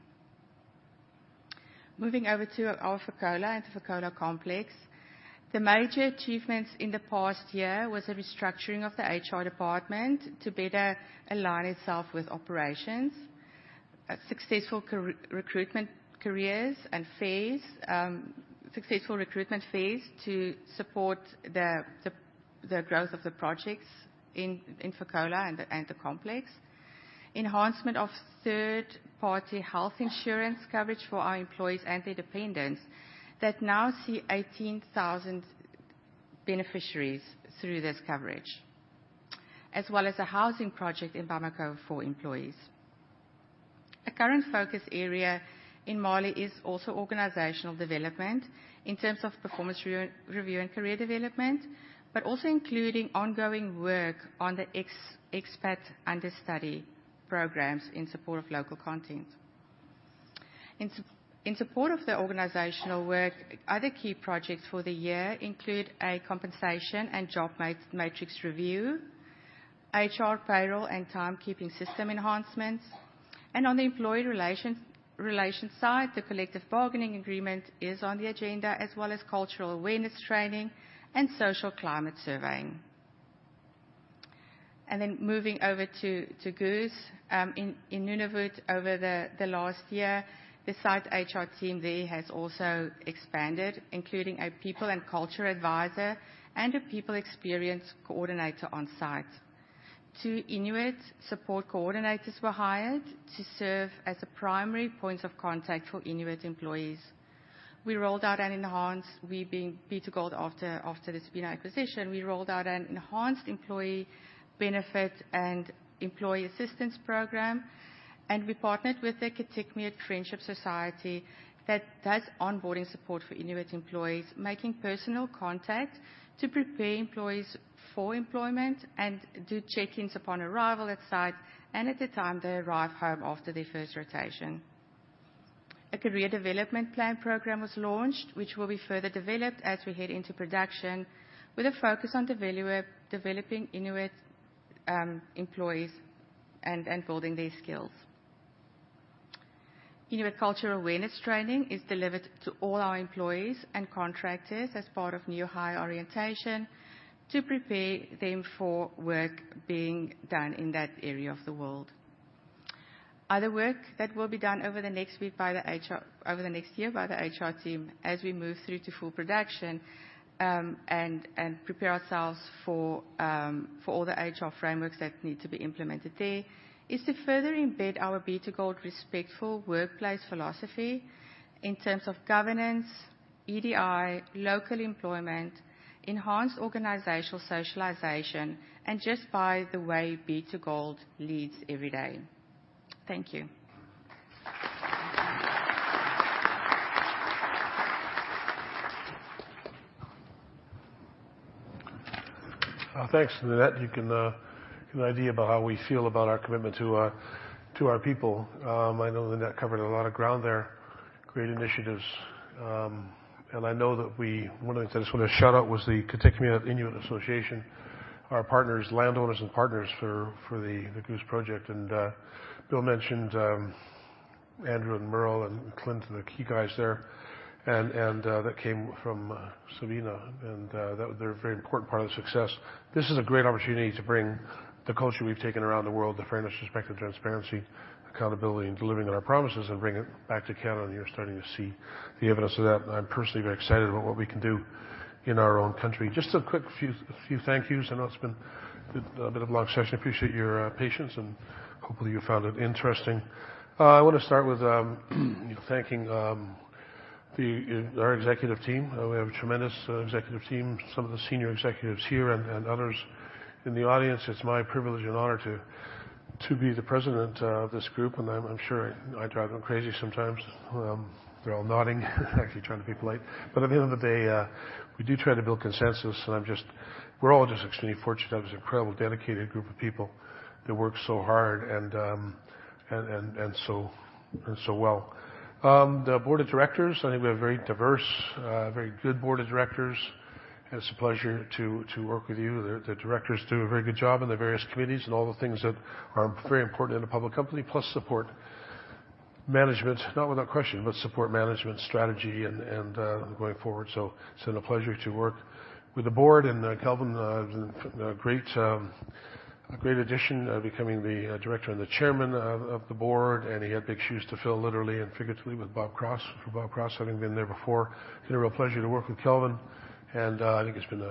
Moving over to our Fekola and the Fekola Complex, the major achievements in the past year were the restructuring of the HR department to better align itself with operations, successful recruitment, career fairs to support the growth of the projects in Fekola and the complex, enhancement of third-party health insurance coverage for our employees and their dependents that now see 18,000 beneficiaries through this coverage, as well as a housing project in Bamako for employees. A current focus area in Mali is also organizational development in terms of performance review and career development, but also including ongoing work on the expat understudy programs in support of local content. In support of the organizational work, other key projects for the year include a compensation and job matrix review, HR payroll and timekeeping system enhancements, and on the employee relations side, the collective bargaining agreement is on the agenda, as well as cultural awareness training and social climate surveying. And then moving over to Goose in Nunavut over the last year, the site HR team there has also expanded, including a people and culture advisor and a people experience coordinator on site. Two Inuit support coordinators were hired to serve as a primary point of contact for Inuit employees. We rolled out an enhanced B2Gold benefits after the Sabina acquisition. We rolled out an enhanced employee benefit and employee assistance program, and we partnered with the Kitikmeot Friendship Society that does onboarding support for Inuit employees, making personal contact to prepare employees for employment and do check-ins upon arrival at site and at the time they arrive home after their first rotation. A career development plan program was launched, which will be further developed as we head into production, with a focus on developing Inuit employees and building their skills. Inuit cultural awareness training is delivered to all our employees and contractors as part of new hire orientation to prepare them for work being done in that area of the world. Other work that will be done over the next week by the HR, over the next year by the HR team, as we move through to full production, and prepare ourselves for all the HR frameworks that need to be implemented there is to further embed our B2Gold respectful workplace philosophy in terms of governance, EDI, local employment, enhanced organizational socialization, and just by the way B2Gold leads every day. Thank you. Thanks, Ninette. You can get an idea about how we feel about our commitment to our people. I know Ninette covered a lot of ground there, great initiatives, and I know that we, one of the things I just want to shout out was the Kitikmeot Inuit Association, our partners, landowners and partners for the Goose Project. And Will mentioned Andrew and Merle and Clinton, the key guys there, and that came from Sabina, and that they're a very important part of the success. This is a great opportunity to bring the culture we've taken around the world, the fairness, respect, and transparency, accountability, and delivering on our promises, and bring it back to Canada. And you're starting to see the evidence of that. I'm personally very excited about what we can do in our own country. Just a quick few thank yous. I know it's been a bit of a long session. Appreciate your patience, and hopefully you found it interesting. I want to start with, you know, thanking our executive team. We have a tremendous executive team, some of the senior executives here and others in the audience. It's my privilege and honor to be the President of this group, and I'm sure I drive them crazy sometimes. They're all nodding, actually trying to be polite, but at the end of the day, we do try to build consensus, and we're all just extremely fortunate. That was an incredible dedicated group of people that worked so hard and so well. The Board of Directors, I think we have a very diverse, very good Board of Directors, and it's a pleasure to work with you. The directors do a very good job in the various committees and all the things that are very important in a public company, plus support management, not without question, but support management strategy and going forward. So it's been a pleasure to work with the board, and Kelvin, a great addition, becoming the director and the chairman of the board, and he had big shoes to fill literally and figuratively with Bob Cross, for Bob Cross having been there before. It's been a real pleasure to work with Kelvin, and I think he's been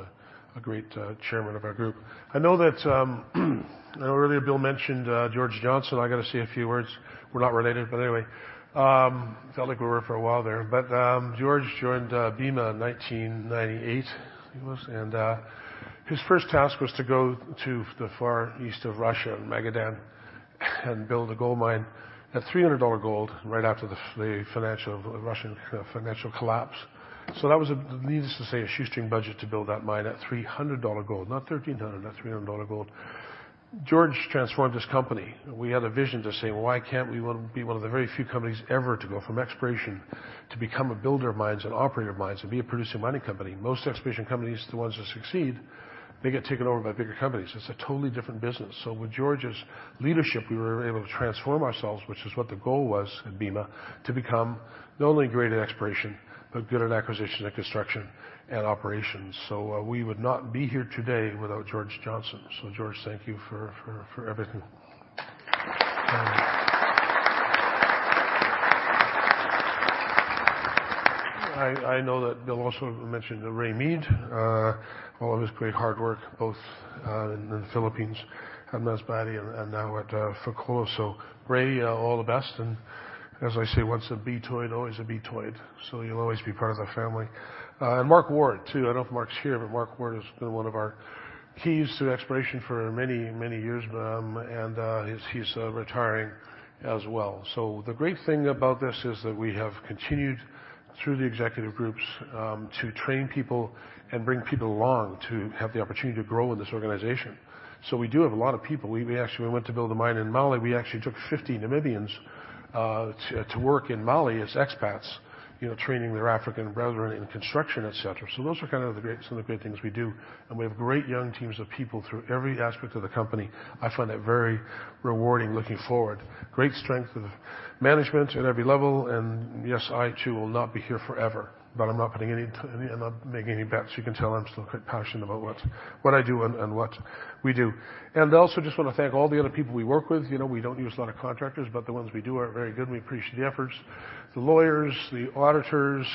a great chairman of our group. I know earlier Will mentioned George Johnson. I got to say a few words. We're not related, but anyway, felt like we were for a while there, but George joined Bema in 1998, I think it was, and his first task was to go to the far east of Russia, in Magadan, and build a gold mine at $300 gold right after the financial, Russian financial collapse. So that was a, needless to say, a shoestring budget to build that mine at $300 gold, not $1,300, not $300 gold. George transformed his company. We had a vision to say, well, why can't we be one of the very few companies ever to go from exploration to become a builder of mines and operator of mines and be a producing mining company? Most exploration companies, the ones that succeed, they get taken over by bigger companies. It's a totally different business. So with George's leadership, we were able to transform ourselves, which is what the goal was at Bema, to become not only great at exploration, but good at acquisition and construction and operations. So, we would not be here today without George Johnson. So George, thank you for everything. I know that Bill also mentioned Ray Mead, all of his great hard work, both in the Philippines at Masbate and now at Fekola. So Ray, all the best, and as I say, once a B2Gold, always a B2Gold. So you'll always be part of the family. And Mark Ward, too. I don't know if Mark's here, but Mark Ward has been one of our keys to exploration for many, many years, and he's retiring as well. The great thing about this is that we have continued through the executive groups to train people and bring people along to have the opportunity to grow in this organization. We do have a lot of people. We actually went to build a mine in Mali. We actually took 50 Namibians to work in Mali as expats, you know, training their African brethren in construction, et cetera. Those are kind of some of the great things we do, and we have great young teams of people through every aspect of the company. I find that very rewarding looking forward. Great strength of management at every level, and yes, I too will not be here forever, but I'm not making any bets. You can tell I'm still quite passionate about what I do and what we do. And I also just want to thank all the other people we work with. You know, we don't use a lot of contractors, but the ones we do are very good. We appreciate the efforts, the lawyers, the auditors,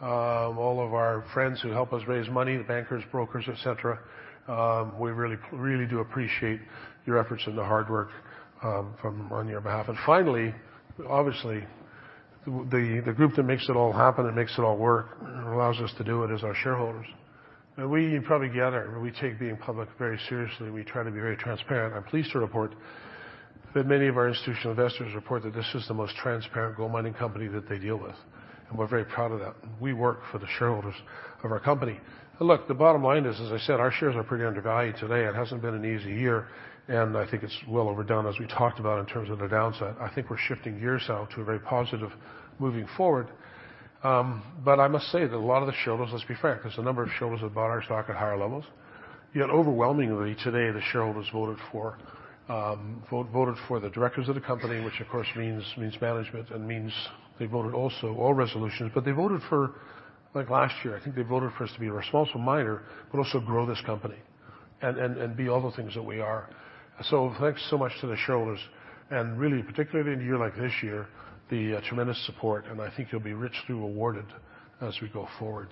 all of our friends who help us raise money, the bankers, brokers, et cetera. We really, really do appreciate your efforts and the hard work done on your behalf. And finally, obviously, the group that makes it all happen and makes it all work and allows us to do it is our shareholders. And we probably gather, we take being public very seriously. We try to be very transparent. I'm pleased to report that many of our institutional investors report that this is the most transparent gold mining company that they deal with, and we're very proud of that. We work for the shareholders of our company. Look, the bottom line is, as I said, our shares are pretty undervalued today. It hasn't been an easy year, and I think it's well overdone, as we talked about in terms of the downside. I think we're shifting gears now to a very positive moving forward. But I must say that a lot of the shareholders, let's be frank, there's a number of shareholders that bought our stock at higher levels. Yet overwhelmingly today, the shareholders voted for the directors of the company, which of course means management and they voted also all resolutions, but they voted for, like last year, I think they voted for us to be responsible miner, but also grow this company and be all the things that we are. So thanks so much to the shareholders and really, particularly in a year like this year, the tremendous support, and I think you'll be richly rewarded as we go forward.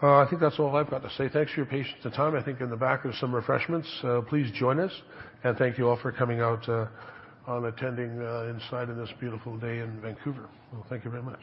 I think that's all I've got to say. Thanks for your patience and time. I think in the back there's some refreshments. Please join us, and thank you all for coming out, on attending, inside in this beautiful day in Vancouver. Thank you very much.